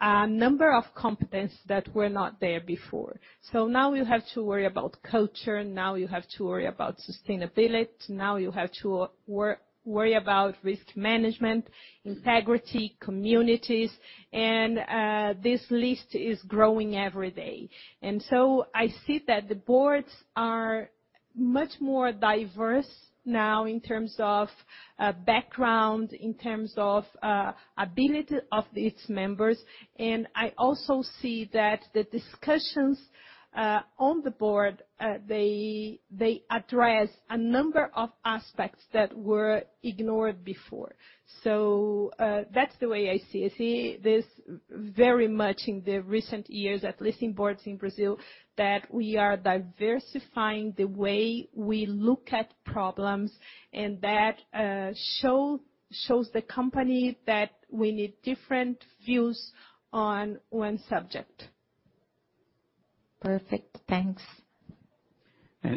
Speaker 7: a number of competence that were not there before. So now you have to worry about culture, now you have to worry about sustainability, now you have to worry about risk management, integrity, communities, and this list is growing every day. And so I see that the boards are much more diverse now in terms of background, in terms of ability of its members. And I also see that the discussions on the board they address a number of aspects that were ignored before. So that's the way I see. I see this very much in the recent years, at least in boards in Brazil, that we are diversifying the way we look at problems, and that shows the company that we need different views on one subject. ...
Speaker 6: Perfect. Thanks.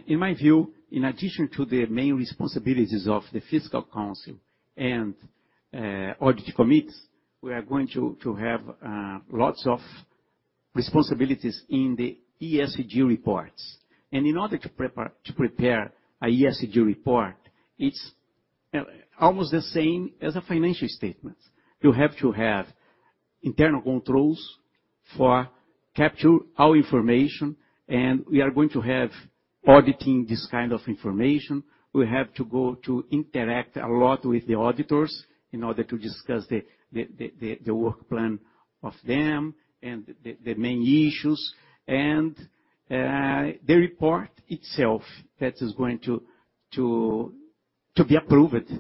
Speaker 8: In my view, in addition to the main responsibilities of the Fiscal Council and Audit Committees, we are going to have lots of responsibilities in the ESG reports. In order to prepare a ESG report, it's almost the same as a financial statement. You have to have internal controls for capture our information, and we are going to have auditing this kind of information. We have to go to interact a lot with the auditors in order to discuss the work plan of them and the main issues and the report itself that is going to be approved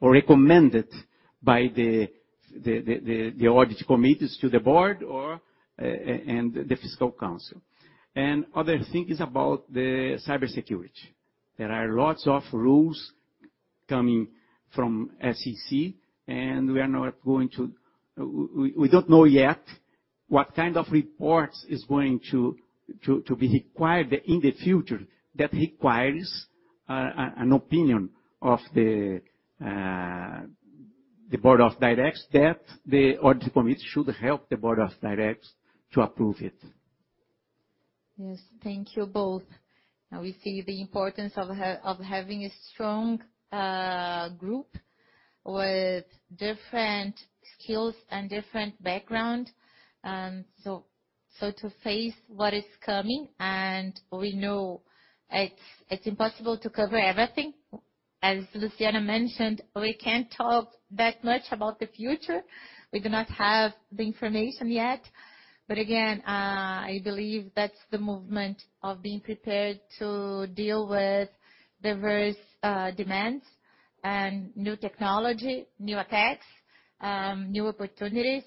Speaker 8: or recommended by the audit committees to the board or and the Fiscal Council. Other thing is about the cybersecurity.
Speaker 3: There are lots of rules coming from SEC, and we are not going to—we don't know yet what kind of reports is going to to be required in the future. That requires an opinion of the board of directors, that the audit committee should help the board of directors to approve it.
Speaker 6: Yes. Thank you both. Now we see the importance of having a strong group with different skills and different background. So to face what is coming, and we know it's impossible to cover everything. As Luciana mentioned, we can't talk that much about the future. We do not have the information yet. But again, I believe that's the movement of being prepared to deal with various demands and new technology, new attacks, new opportunities.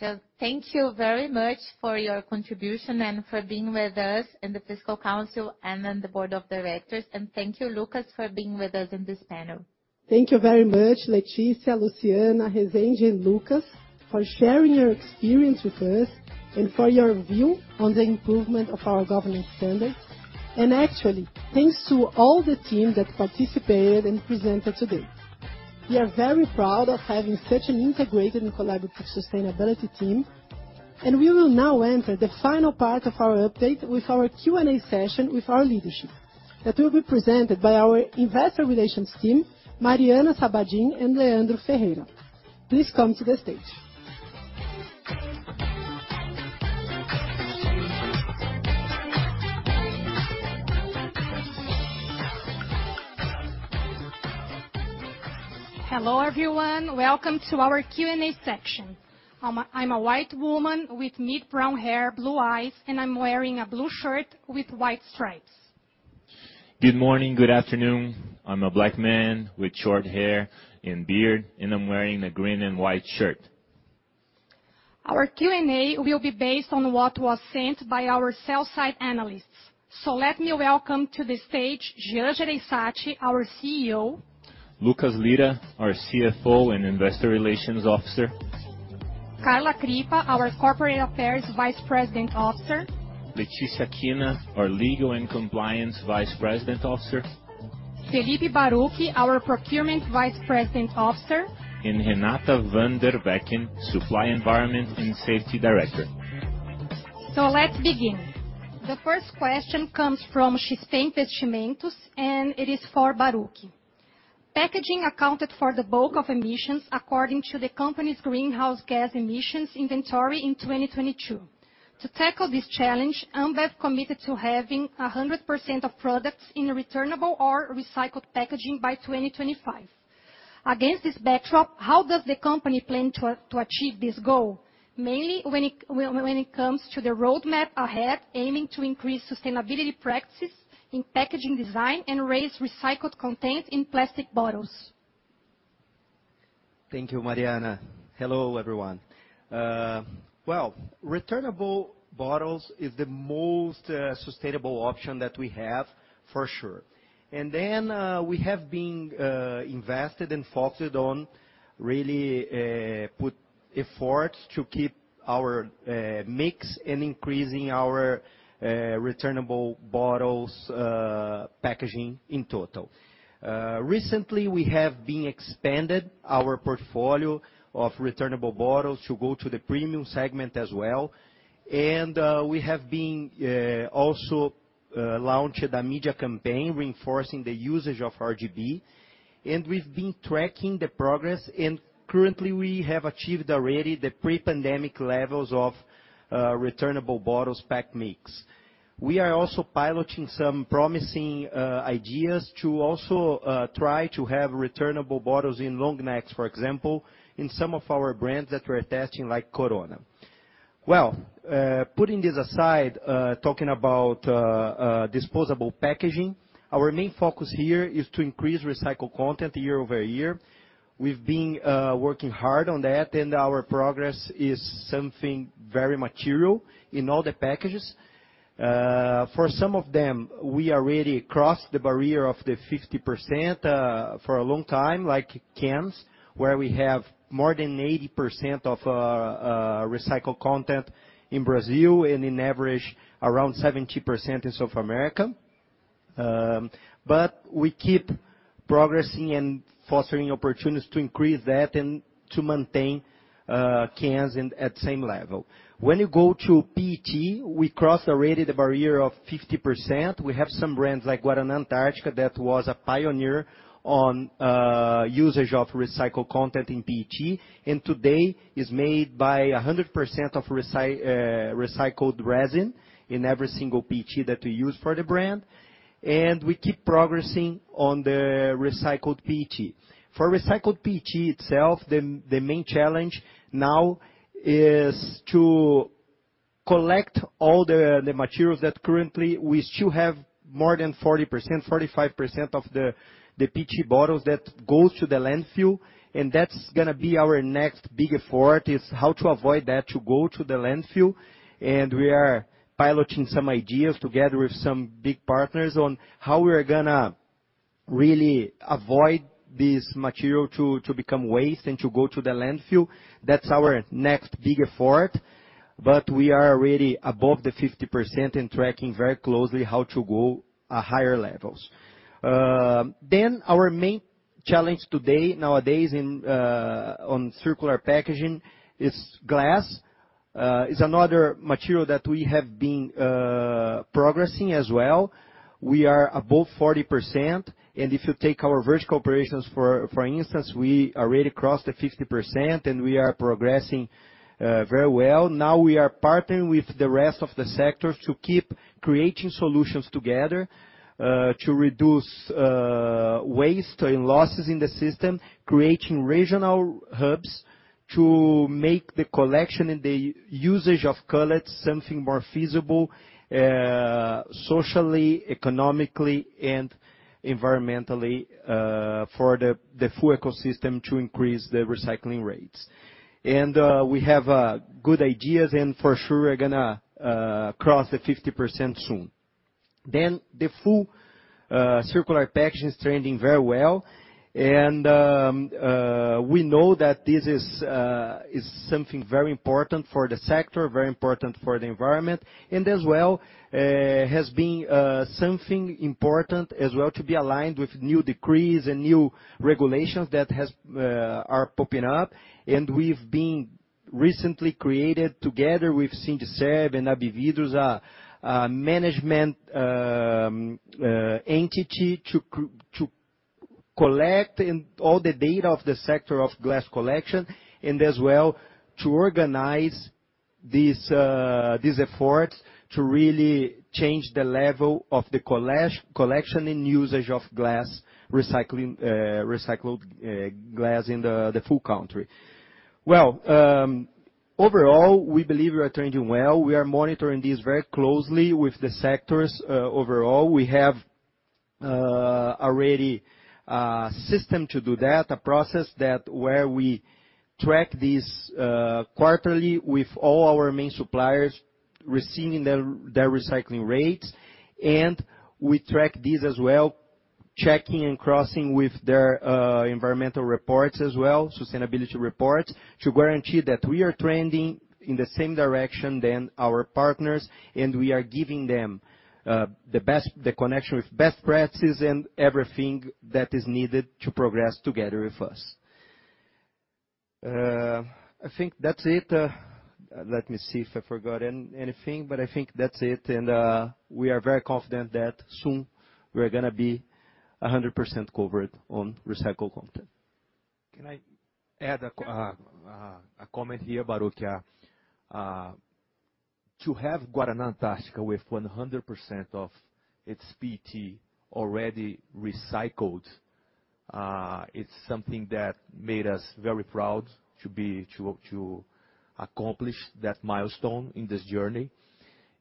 Speaker 6: So thank you very much for your contribution and for being with us in the Fiscal Council and in the board of directors. And thank you, Lucas, for being with us in this panel.
Speaker 2: Thank you very much, Letícia, Luciana, Rezende, and Lucas, for sharing your experience with us and for your view on the improvement of our governance standards. Actually, thanks to all the team that participated and presented today. We are very proud of having such an integrated and collaborative sustainability team, and we will now enter the final part of our update with our Q&A session with our leadership, that will be presented by our Investor Relations team, Mariana Sabadin and Leandro Ferreira. Please come to the stage.
Speaker 10: Hello, everyone. Welcome to our Q&A section. I'm a white woman with mid-brown hair, blue eyes, and I'm wearing a blue shirt with white stripes.
Speaker 11: Good morning, good afternoon. I'm a Black man with short hair and beard, and I'm wearing a green and white shirt.
Speaker 10: Our Q&A will be based on what was sent by our sell-side analysts. So let me welcome to the stage, Jean Jereissati, our CEO.
Speaker 11: Lucas Lira, our CFO and Investor Relations Officer.
Speaker 10: Carla Crippa, our Corporate Affairs Vice President Officer.
Speaker 11: Letícia Kina, our Legal and Compliance Vice President Officer.
Speaker 10: Felipe Baruch, our Procurement Vice President Officer.
Speaker 11: Renata Van Der Weken, Supply, Environment and Safety Director.
Speaker 10: So let's begin. The first question comes from XP Investimentos, and it is for Baruch. "Packaging accounted for the bulk of emissions, according to the company's greenhouse gas emissions inventory in 2022. To tackle this challenge, Ambev committed to having 100% of products in returnable or recycled packaging by 2025. Against this backdrop, how does the company plan to achieve this goal, mainly when it comes to the roadmap ahead, aiming to increase sustainability practices in packaging design and raise recycled content in plastic bottles?
Speaker 3: Thank you, Mariana. Hello, everyone. Well, returnable bottles is the most sustainable option that we have, for sure. And then, we have been invested and focused on really put efforts to keep our mix and increasing our returnable bottles packaging in total. Recently, we have been expanded our portfolio of returnable bottles to go to the premium segment as well. And, we have been also launched a media campaign reinforcing the usage of RGB, and we've been tracking the progress, and currently, we have achieved already the pre-pandemic levels of returnable bottles pack mix. We are also piloting some promising ideas to also try to have returnable bottles in long necks, for example, in some of our brands that we're testing, like Corona. Well, putting this aside, talking about disposable packaging, our main focus here is to increase recycled content year over year. We've been working hard on that, and our progress is something very material in all the packages. For some of them, we already crossed the barrier of the 50%, for a long time, like cans, where we have more than 80% of recycled content in Brazil and in average, around 70% in South America. But we keep progressing and fostering opportunities to increase that and to maintain cans in at the same level. When you go to PET, we crossed already the barrier of 50%. We have some brands like Guaraná Antarctica, that was a pioneer on usage of recycled content in PET, and today is made by 100% of recycled resin in every single PET that we use for the brand. And we keep progressing on the recycled PET. For recycled PET itself, the main challenge now is to collect all the materials that currently we still have more than 40%, 45% of the PET bottles that goes to the landfill, and that's gonna be our next big effort, is how to avoid that to go to the landfill. And we are piloting some ideas together with some big partners on how we are gonna really avoid this material to become waste and to go to the landfill. That's our next big effort, but we are already above the 50% and tracking very closely how to go at higher levels. Then our main challenge today, nowadays, in on circular packaging is glass. Is another material that we have been progressing as well. We are above 40%, and if you take our vertical operations, for instance, we already crossed the 50% and we are progressing very well. Now we are partnering with the rest of the sector to keep creating solutions together to reduce waste and losses in the system. Creating regional hubs to make the collection and the usage of cullet something more feasible, socially, economically, and environmentally, for the full ecosystem to increase the recycling rates. We have good ideas, and for sure, we're gonna cross the 50% soon. The full circular packaging is trending very well, and we know that this is something very important for the sector, very important for the environment, and as well, has been something important as well to be aligned with new decrees and new regulations that has are popping up. We've been recently created together with SINDICERV and ABIVIDRO, a management entity to collect and all the data of the sector of glass collection, and as well, to organize these efforts to really change the level of the collection and usage of glass recycling, recycled glass in the full country. Well, overall, we believe we are trending well. We are monitoring this very closely with the sectors. Overall, we have already a system to do that, a process that where we track this quarterly with all our main suppliers, receiving their recycling rates. And we track this as well, checking and crossing with their environmental reports as well, sustainability reports, to guarantee that we are trending in the same direction than our partners, and we are giving them the best the connection with best practices and everything that is needed to progress together with us. I think that's it. Let me see if I forgot anything, but I think that's it, and we are very confident that soon we are gonna be 100% covered on recycled content.
Speaker 1: Can I add a comment here, Baruch? To have Guaraná Antarctica with 100% of its PET already recycled, it's something that made us very proud to accomplish that milestone in this journey.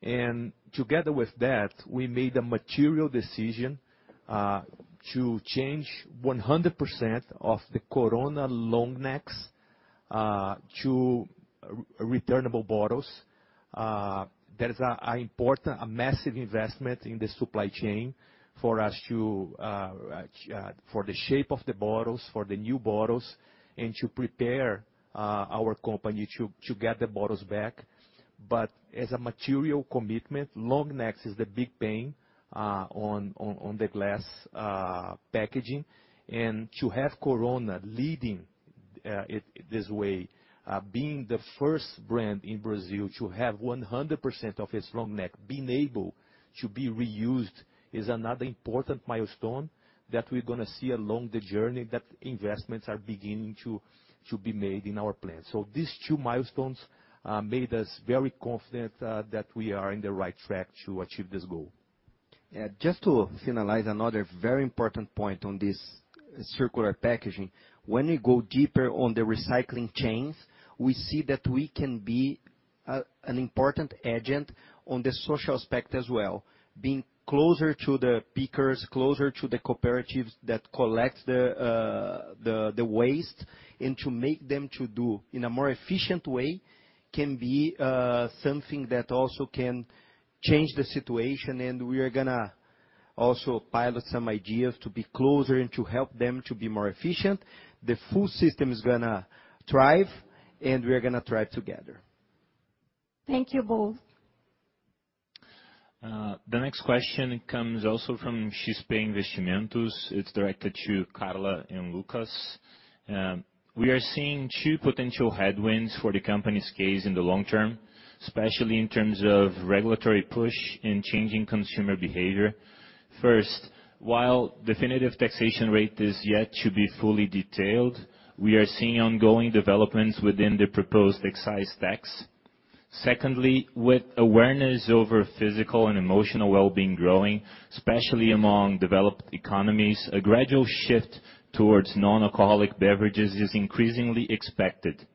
Speaker 1: And together with that, we made a material decision to change 100% of the Corona long necks to returnable bottles. There is an important, massive investment in the supply chain for us to for the shape of the bottles, for the new bottles, and to prepare our company to get the bottles back. But as a material commitment, long necks is the big pain on the glass packaging. And to have Corona leading it this way, being the first brand in Brazil to have 100% of its long neck being able to be reused, is another important milestone that we're gonna see along the journey, that investments are beginning to be made in our plan. So these two milestones made us very confident that we are in the right track to achieve this goal.
Speaker 3: Yeah, just to finalize another very important point on this circular packaging. When you go deeper on the recycling chains, we see that we can be an important agent on the social aspect as well. Being closer to the pickers, closer to the cooperatives that collect the waste, and to make them to do in a more efficient way, can be something that also can change the situation, and we are gonna also pilot some ideas to be closer and to help them to be more efficient. The full system is gonna thrive, and we are gonna thrive together....
Speaker 10: Thank you both.
Speaker 11: The next question comes also from XP Investimentos. It's directed to Carla and Lucas. We are seeing two potential headwinds for the company's case in the long term, especially in terms of regulatory push and changing consumer behavior. First, while definitive taxation rate is yet to be fully detailed, we are seeing ongoing developments within the proposed excise tax. Secondly, with awareness over physical and emotional well-being growing, especially among developed economies, a gradual shift towards non-alcoholic beverages is increasingly expected.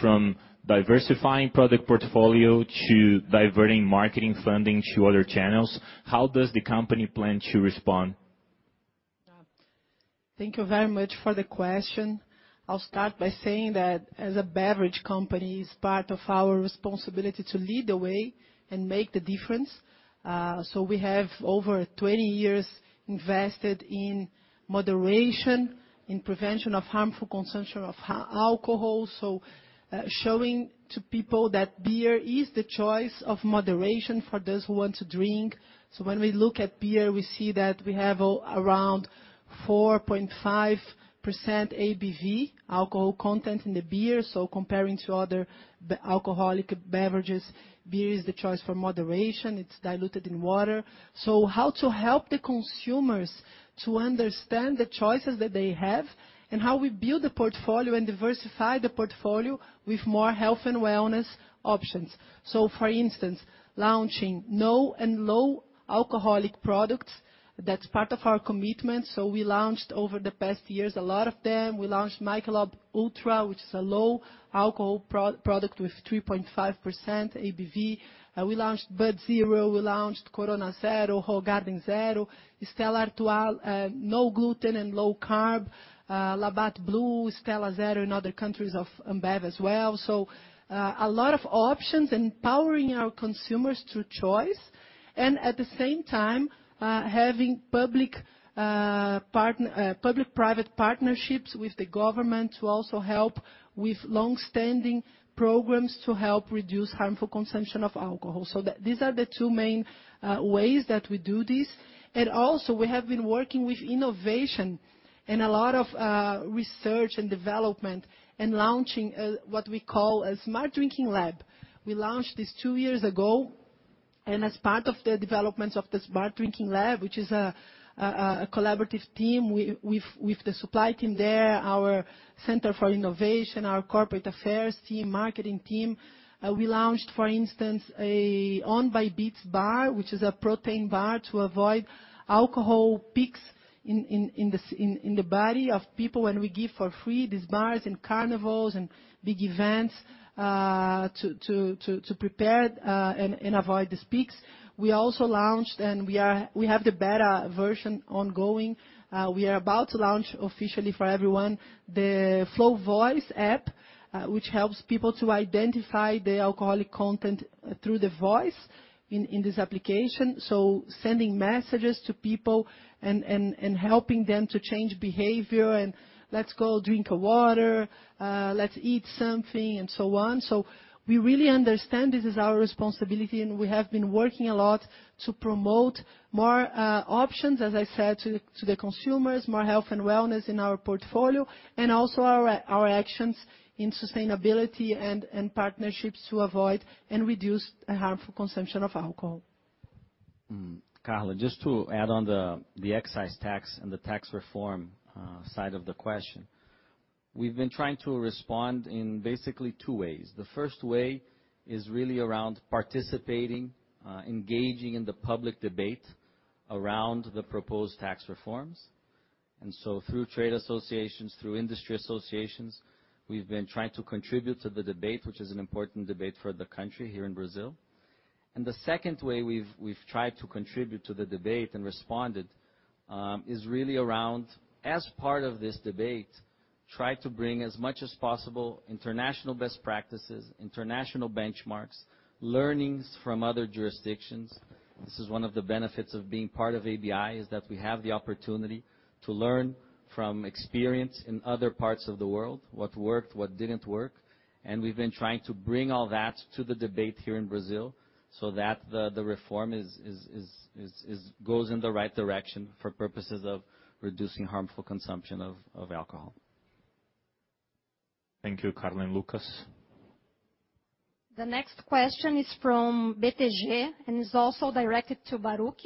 Speaker 11: From diversifying product portfolio to diverting marketing funding to other channels, how does the company plan to respond?
Speaker 2: Thank you very much for the question. I'll start by saying that as a beverage company, it's part of our responsibility to lead the way and make the difference. So we have over 20 years invested in moderation, in prevention of harmful consumption of alcohol. So, showing to people that beer is the choice of moderation for those who want to drink. So when we look at beer, we see that we have around 4.5% ABV alcohol content in the beer. So comparing to other alcoholic beverages, beer is the choice for moderation. It's diluted in water. So how to help the consumers to understand the choices that they have, and how we build the portfolio and diversify the portfolio with more health and wellness options. So for instance, launching no and low alcoholic products, that's part of our commitment, so we launched over the past years, a lot of them. We launched Michelob ULTRA, which is a low alcohol product, with 3.5% ABV. We launched Bud Zero, we launched Corona Zero, Hoegaarden Zero, Stella Artois no gluten and low carb, Labatt Blue, Stella Zero in other countries of Ambev as well. So, a lot of options, empowering our consumers through choice, and at the same time, having public-private partnerships with the government to also help with long-standing programs to help reduce harmful consumption of alcohol. So these are the two main ways that we do this. And also, we have been working with innovation and a lot of research and development and launching what we call a Smart Drinking Lab. We launched this two years ago, and as part of the developments of the Smart Drinking Lab, which is a collaborative team with the supply team there, our Center for Innovation, our corporate affairs team, marketing team. We launched, for instance, a On by Beats bar, which is a protein bar, to avoid alcohol peaks in the body of people, and we give for free these bars in carnivals and big events to prepare and avoid these peaks. We also launched and we have the beta version ongoing. We are about to launch officially for everyone, the Flow Voice app, which helps people to identify the alcohol content through the voice in this application. So sending messages to people and helping them to change behavior and, "Let's go drink a water," "Let's eat something," and so on. So we really understand this is our responsibility, and we have been working a lot to promote more options, as I said, to the consumers, more health and wellness in our portfolio, and also our actions in sustainability and partnerships to avoid and reduce a harmful consumption of alcohol.
Speaker 9: Carla, just to add on the excise tax and the tax reform side of the question. We've been trying to respond in basically two ways. The first way is really around participating, engaging in the public debate around the proposed tax reforms. And so through trade associations, through industry associations, we've been trying to contribute to the debate, which is an important debate for the country here in Brazil. And the second way we've tried to contribute to the debate and responded is really around, as part of this debate, try to bring as much as possible, international best practices, international benchmarks, learnings from other jurisdictions. This is one of the benefits of being part of ABI, is that we have the opportunity to learn from experience in other parts of the world, what worked, what didn't work, and we've been trying to bring all that to the debate here in Brazil so that the reform is... goes in the right direction for purposes of reducing harmful consumption of alcohol.
Speaker 11: Thank you, Carla and Lucas.
Speaker 10: The next question is from BTG and is also directed to Baruch,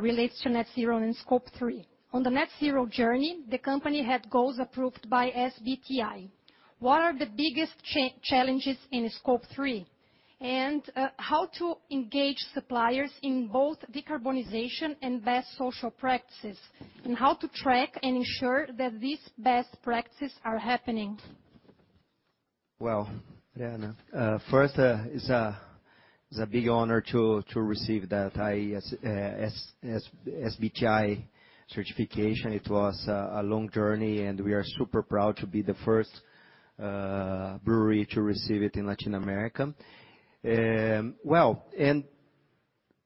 Speaker 10: relates to Net Zero and Scope 3. On the Net Zero journey, the company had goals approved by SBTi. What are the biggest challenges in Scope 3? And, how to engage suppliers in both decarbonization and best social practices, and how to track and ensure that these best practices are happening? Well, Mariana ...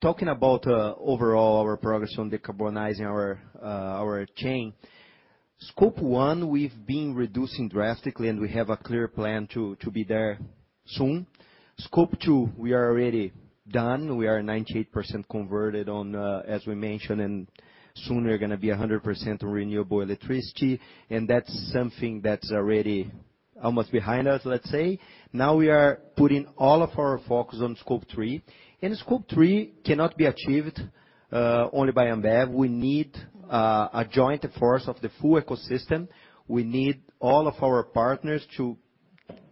Speaker 3: Talking about, overall our progress on decarbonizing our, our chain. Scope 1, we've been reducing drastically, and we have a clear plan to, to be there soon. Scope 2, we are already done. We are 98% converted on, as we mentioned, and soon we're gonna be 100% renewable electricity, and that's something that's already almost behind us, let's say. Now we are putting all of our focus on Scope 3, and Scope 3 cannot be achieved, only by Ambev. We need, a joint force of the full ecosystem. We need all of our partners to,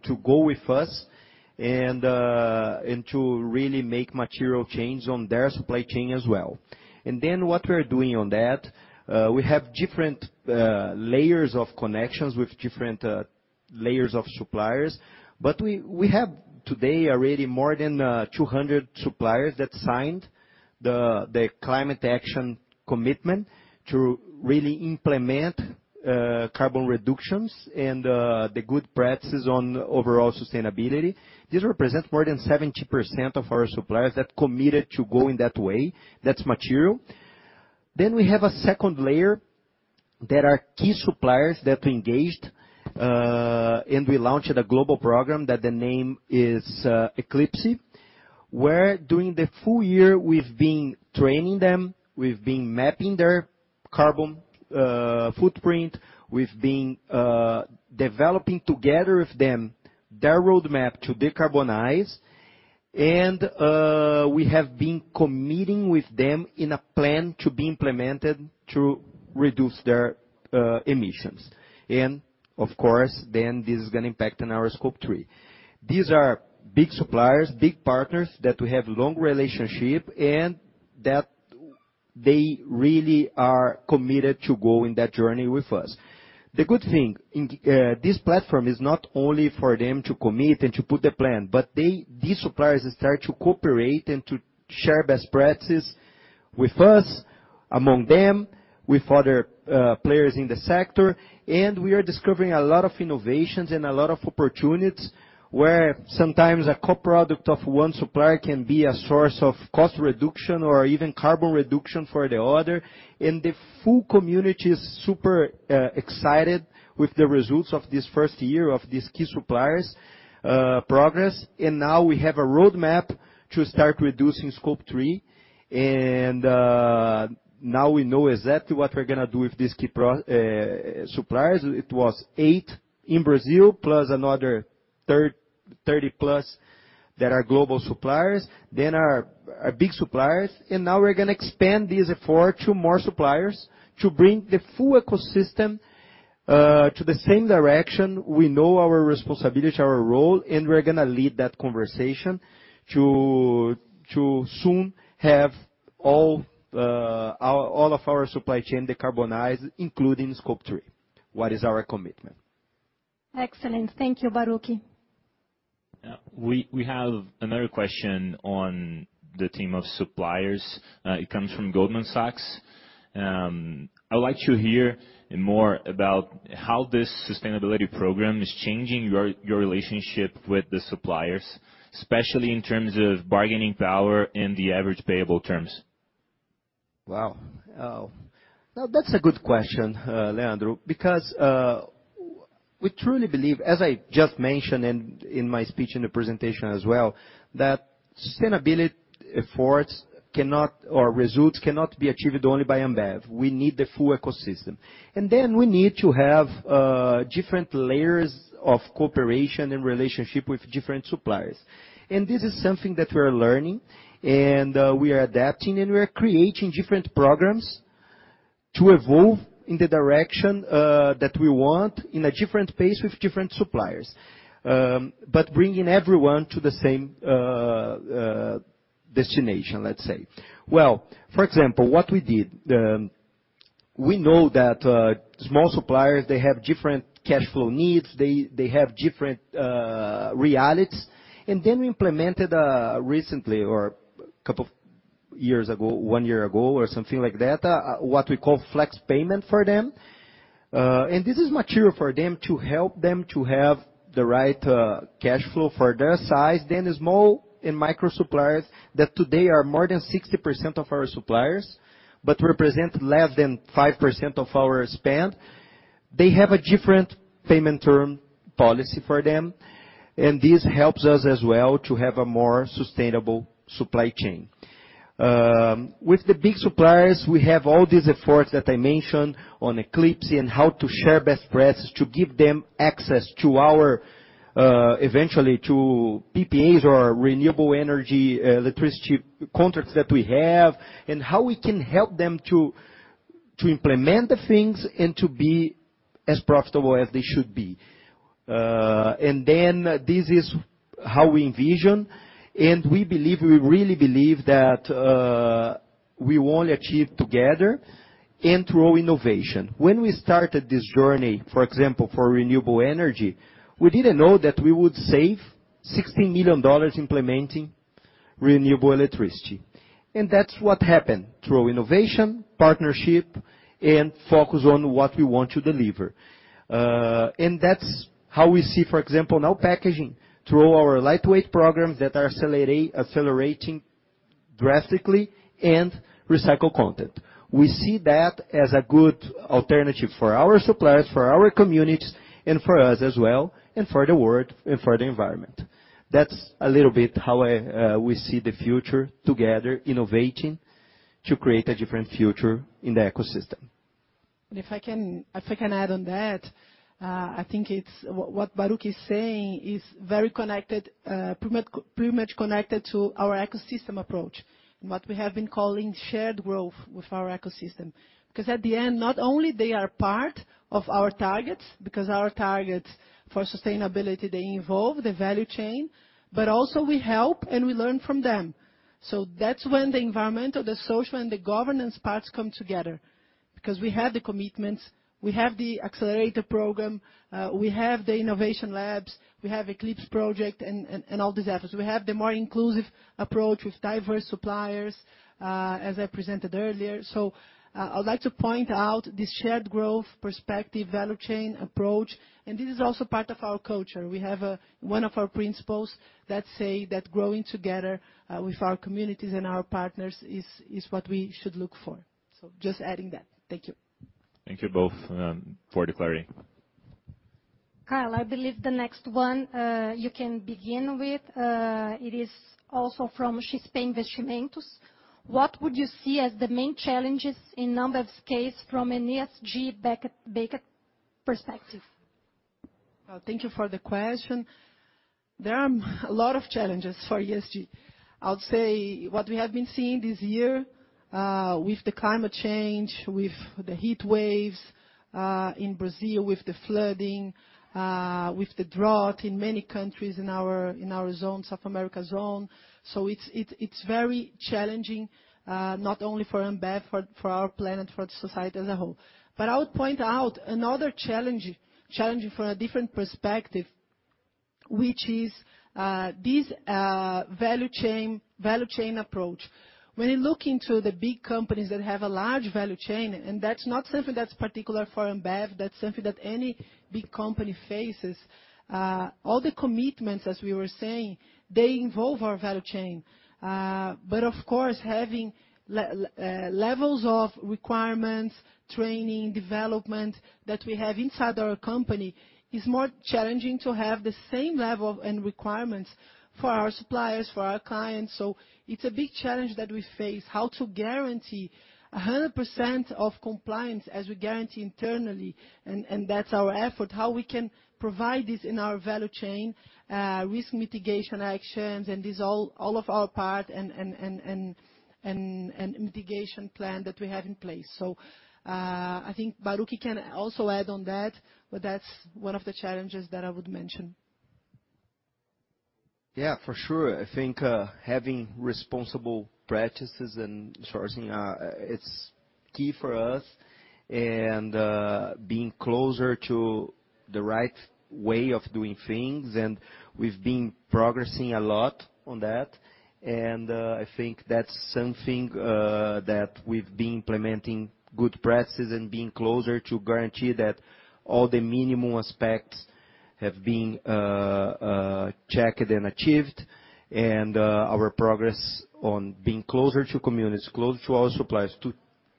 Speaker 3: to go with us and, and to really make material changes on their supply chain as well. What we're doing on that, we have different layers of connections with different layers of suppliers, but we have today already more than 200 suppliers that signed the climate action commitment to really implement carbon reductions and the good practices on overall sustainability. This represents more than 70% of our suppliers that committed to go in that way. That's material. Then we have a second layer that are key suppliers that we engaged, and we launched a global program that the name is Eclipse, where during the full year we've been training them, we've been mapping their carbon footprint, we've been developing together with them their roadmap to decarbonize, and we have been committing with them in a plan to be implemented to reduce their emissions. Of course, then this is gonna impact on our Scope 3. These are big suppliers, big partners, that we have long relationship and that they really are committed to go in that journey with us. The good thing in this platform is not only for them to commit and to put the plan, but these suppliers start to cooperate and to share best practices with us, among them, with other players in the sector, and we are discovering a lot of innovations and a lot of opportunities, where sometimes a core product of one supplier can be a source of cost reduction or even carbon reduction for the other, and the full community is super excited with the results of this first year of these key suppliers' progress. And now we have a roadmap to start reducing Scope 3, and now we know exactly what we're gonna do with these key suppliers. It was 8 in Brazil, plus another 30+ that are global suppliers, then our big suppliers. And now we're gonna expand this effort to more suppliers to bring the full ecosystem to the same direction. We know our responsibility, our role, and we're gonna lead that conversation to soon have all of our supply chain decarbonized, including Scope 3. What is our commitment?
Speaker 6: Excellent. Thank you, Baruch.
Speaker 11: We have another question on the team of suppliers. It comes from Goldman Sachs. I'd like to hear more about how this sustainability program is changing your relationship with the suppliers, especially in terms of bargaining power and the average payable terms.
Speaker 3: Wow! Now, that's a good question, Leandro, because we truly believe, as I just mentioned in my speech and the presentation as well, that sustainability efforts cannot, or results cannot be achieved only by Ambev. We need the full ecosystem, and then we need to have different layers of cooperation and relationship with different suppliers. And this is something that we are learning, and we are adapting, and we are creating different programs to evolve in the direction that we want in a different pace with different suppliers, but bringing everyone to the same destination, let's say. Well, for example, what we did, we know that small suppliers, they have different cash flow needs, they have different realities. Then we implemented, recently, or a couple of years ago, one year ago or something like that, what we call flex payment for them. And this is material for them to help them to have the right cash flow for their size. Then small and micro suppliers, that today are more than 60% of our suppliers, but represent less than 5% of our spend, they have a different payment term policy for them, and this helps us as well to have a more sustainable supply chain. With the big suppliers, we have all these efforts that I mentioned on Eclipse and how to share best practices to give them access to our, eventually to PPAs or renewable energy electricity contracts that we have, and how we can help them to implement the things and to be as profitable as they should be. And then this is how we envision, and we believe, we really believe that we only achieve together and through innovation. When we started this journey, for example, for renewable energy, we didn't know that we would save $16 million implementing renewable electricity. And that's what happened through innovation, partnership, and focus on what we want to deliver. And that's how we see, for example, now packaging, through our lightweight programs that are accelerating drastically and recycled content. We see that as a good alternative for our suppliers, for our communities, and for us as well, and for the world, and for the environment. That's a little bit how I, we see the future together, innovating to create a different future in the ecosystem.
Speaker 2: And if I can, if I can add on that, I think it's what Baruch is saying is very connected, pretty much, pretty much connected to our ecosystem approach, and what we have been calling shared growth with our ecosystem. Because at the end, not only they are part of our targets, because our targets for sustainability, they involve the value chain, but also we help and we learn from them. So that's when the environmental, the social, and the governance parts come together. Because we have the commitments, we have the accelerator program, we have the innovation labs, we have Eclipse Project, and all these efforts. We have the more inclusive approach with diverse suppliers, as I presented earlier. So, I would like to point out this shared growth perspective, value chain approach, and this is also part of our culture. We have one of our principles that say that growing together with our communities and our partners is, is what we should look for. So just adding that. Thank you.
Speaker 11: Thank you both, for the clarity.
Speaker 10: Carla, I believe the next one, you can begin with. It is also from XP Investimentos. What would you see as the main challenges in non-alcoholic from an ESG-based perspective?
Speaker 2: Thank you for the question. There are a lot of challenges for ESG. I would say what we have been seeing this year, with the climate change, with the heat waves, in Brazil, with the flooding, with the drought in many countries in our zone, South America zone. So it's very challenging, not only for Ambev, for our planet, for the society as a whole. But I would point out another challenge from a different perspective, which is this value chain approach. When you look into the big companies that have a large value chain, and that's not something that's particular for Ambev, that's something that any big company faces. All the commitments, as we were saying, they involve our value chain. But of course, having levels of requirements, training, development that we have inside our company, is more challenging to have the same level and requirements for our suppliers, for our clients. So it's a big challenge that we face, how to guarantee 100% of compliance as we guarantee internally, and that's our effort. How we can provide this in our value chain, risk mitigation actions, and this all of our part and mitigation plan that we have in place. So, I think Baruch can also add on that, but that's one of the challenges that I would mention.
Speaker 3: Yeah, for sure. I think, having responsible practices and sourcing, it's key for us, and, being closer to the right way of doing things, and we've been progressing a lot on that. And, I think that's something, that we've been implementing good practices and being closer to guarantee that all the minimum aspects have been, checked and achieved. And, our progress on being closer to communities, closer to our suppliers, to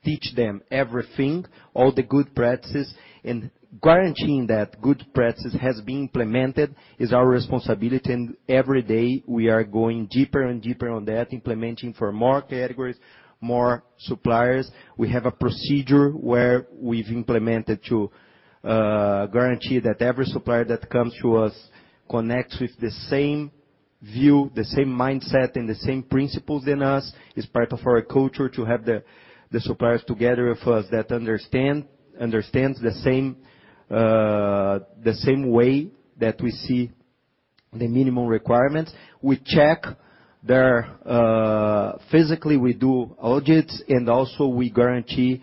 Speaker 3: teach them everything, all the good practices, and guaranteeing that good practices has been implemented is our responsibility, and every day, we are going deeper and deeper on that, implementing for more categories, more suppliers. We have a procedure where we've implemented to, guarantee that every supplier that comes to us connects with the same view, the same mindset, and the same principles in us. It's part of our culture to have the suppliers together with us that understand the same way that we see the minimum requirements. We check their physically, we do audits, and also we guarantee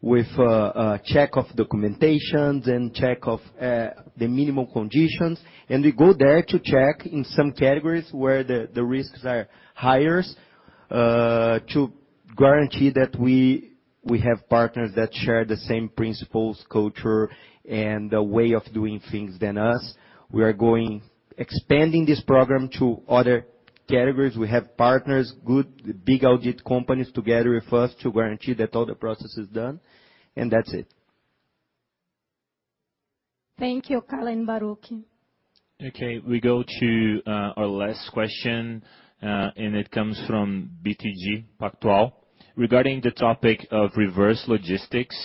Speaker 3: with a check of documentations and check of the minimum conditions. We go there to check in some categories where the risks are higher to guarantee that we have partners that share the same principles, culture, and the way of doing things than us. We are going expanding this program to other categories. We have partners, good, big audit companies, together with us to guarantee that all the process is done, and that's it.
Speaker 10: Thank you, Carla and Baruch.
Speaker 11: Okay, we go to our last question, and it comes from BTG Pactual. Regarding the topic of reverse logistics,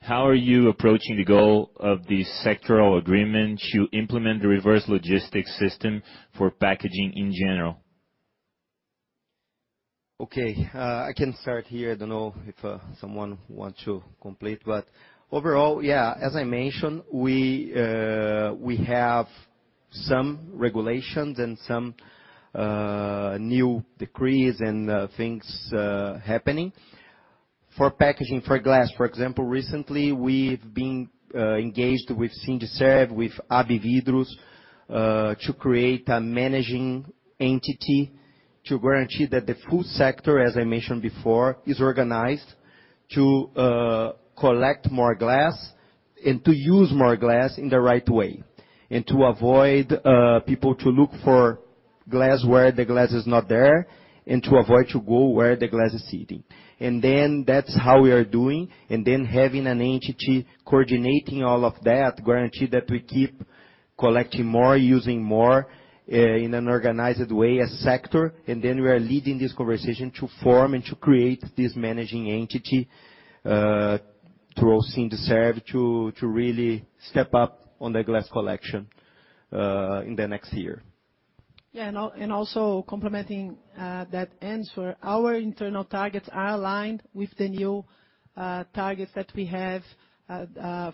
Speaker 11: how are you approaching the goal of the sectoral agreement to implement the reverse logistics system for packaging in general?
Speaker 3: Okay, I can start here. I don't know if someone wants to complete, but overall, yeah, as I mentioned, we have some regulations and some new decrees and things happening. For packaging, for glass, for example, recently, we've been engaged with SINDICERV, with ABIVIDRO, to create a managing entity to guarantee that the food sector, as I mentioned before, is organized to collect more glass and to use more glass in the right way. And to avoid people to look for glass where the glass is not there, and to avoid to go where the glass is sitting. And then that's how we are doing, and then having an entity coordinating all of that, guarantee that we keep collecting more, using more, in an organized way, as a sector, and then we are leading this conversation to form and to create this managing entity, through SINDICERV, to really step up on the glass collection, in the next year.
Speaker 2: Yeah, and also complementing that answer, our internal targets are aligned with the new targets that we have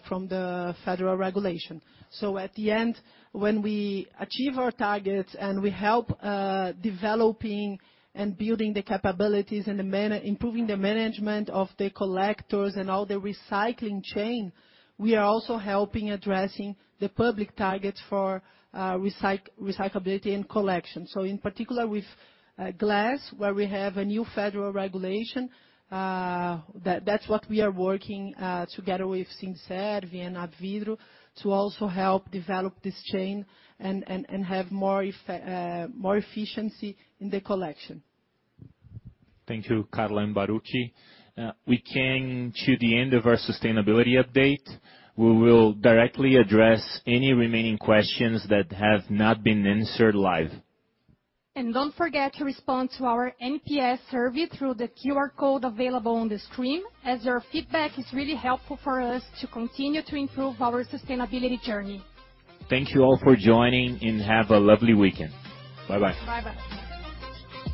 Speaker 2: from the federal regulation. So at the end, when we achieve our targets and we help developing and building the capabilities and improving the management of the collectors and all the recycling chain, we are also helping addressing the public targets for recyclability and collection. So in particular, with glass, where we have a new federal regulation, that's what we are working together with SINDICERV and ABIVIDRO, to also help develop this chain and have more efficiency in the collection.
Speaker 11: Thank you, Carla and Baruch. We came to the end of our sustainability update. We will directly address any remaining questions that have not been answered live.
Speaker 10: Don't forget to respond to our NPS survey through the QR code available on the screen, as your feedback is really helpful for us to continue to improve our sustainability journey.
Speaker 3: Thank you all for joining, and have a lovely weekend. Bye-bye.
Speaker 10: Bye-bye.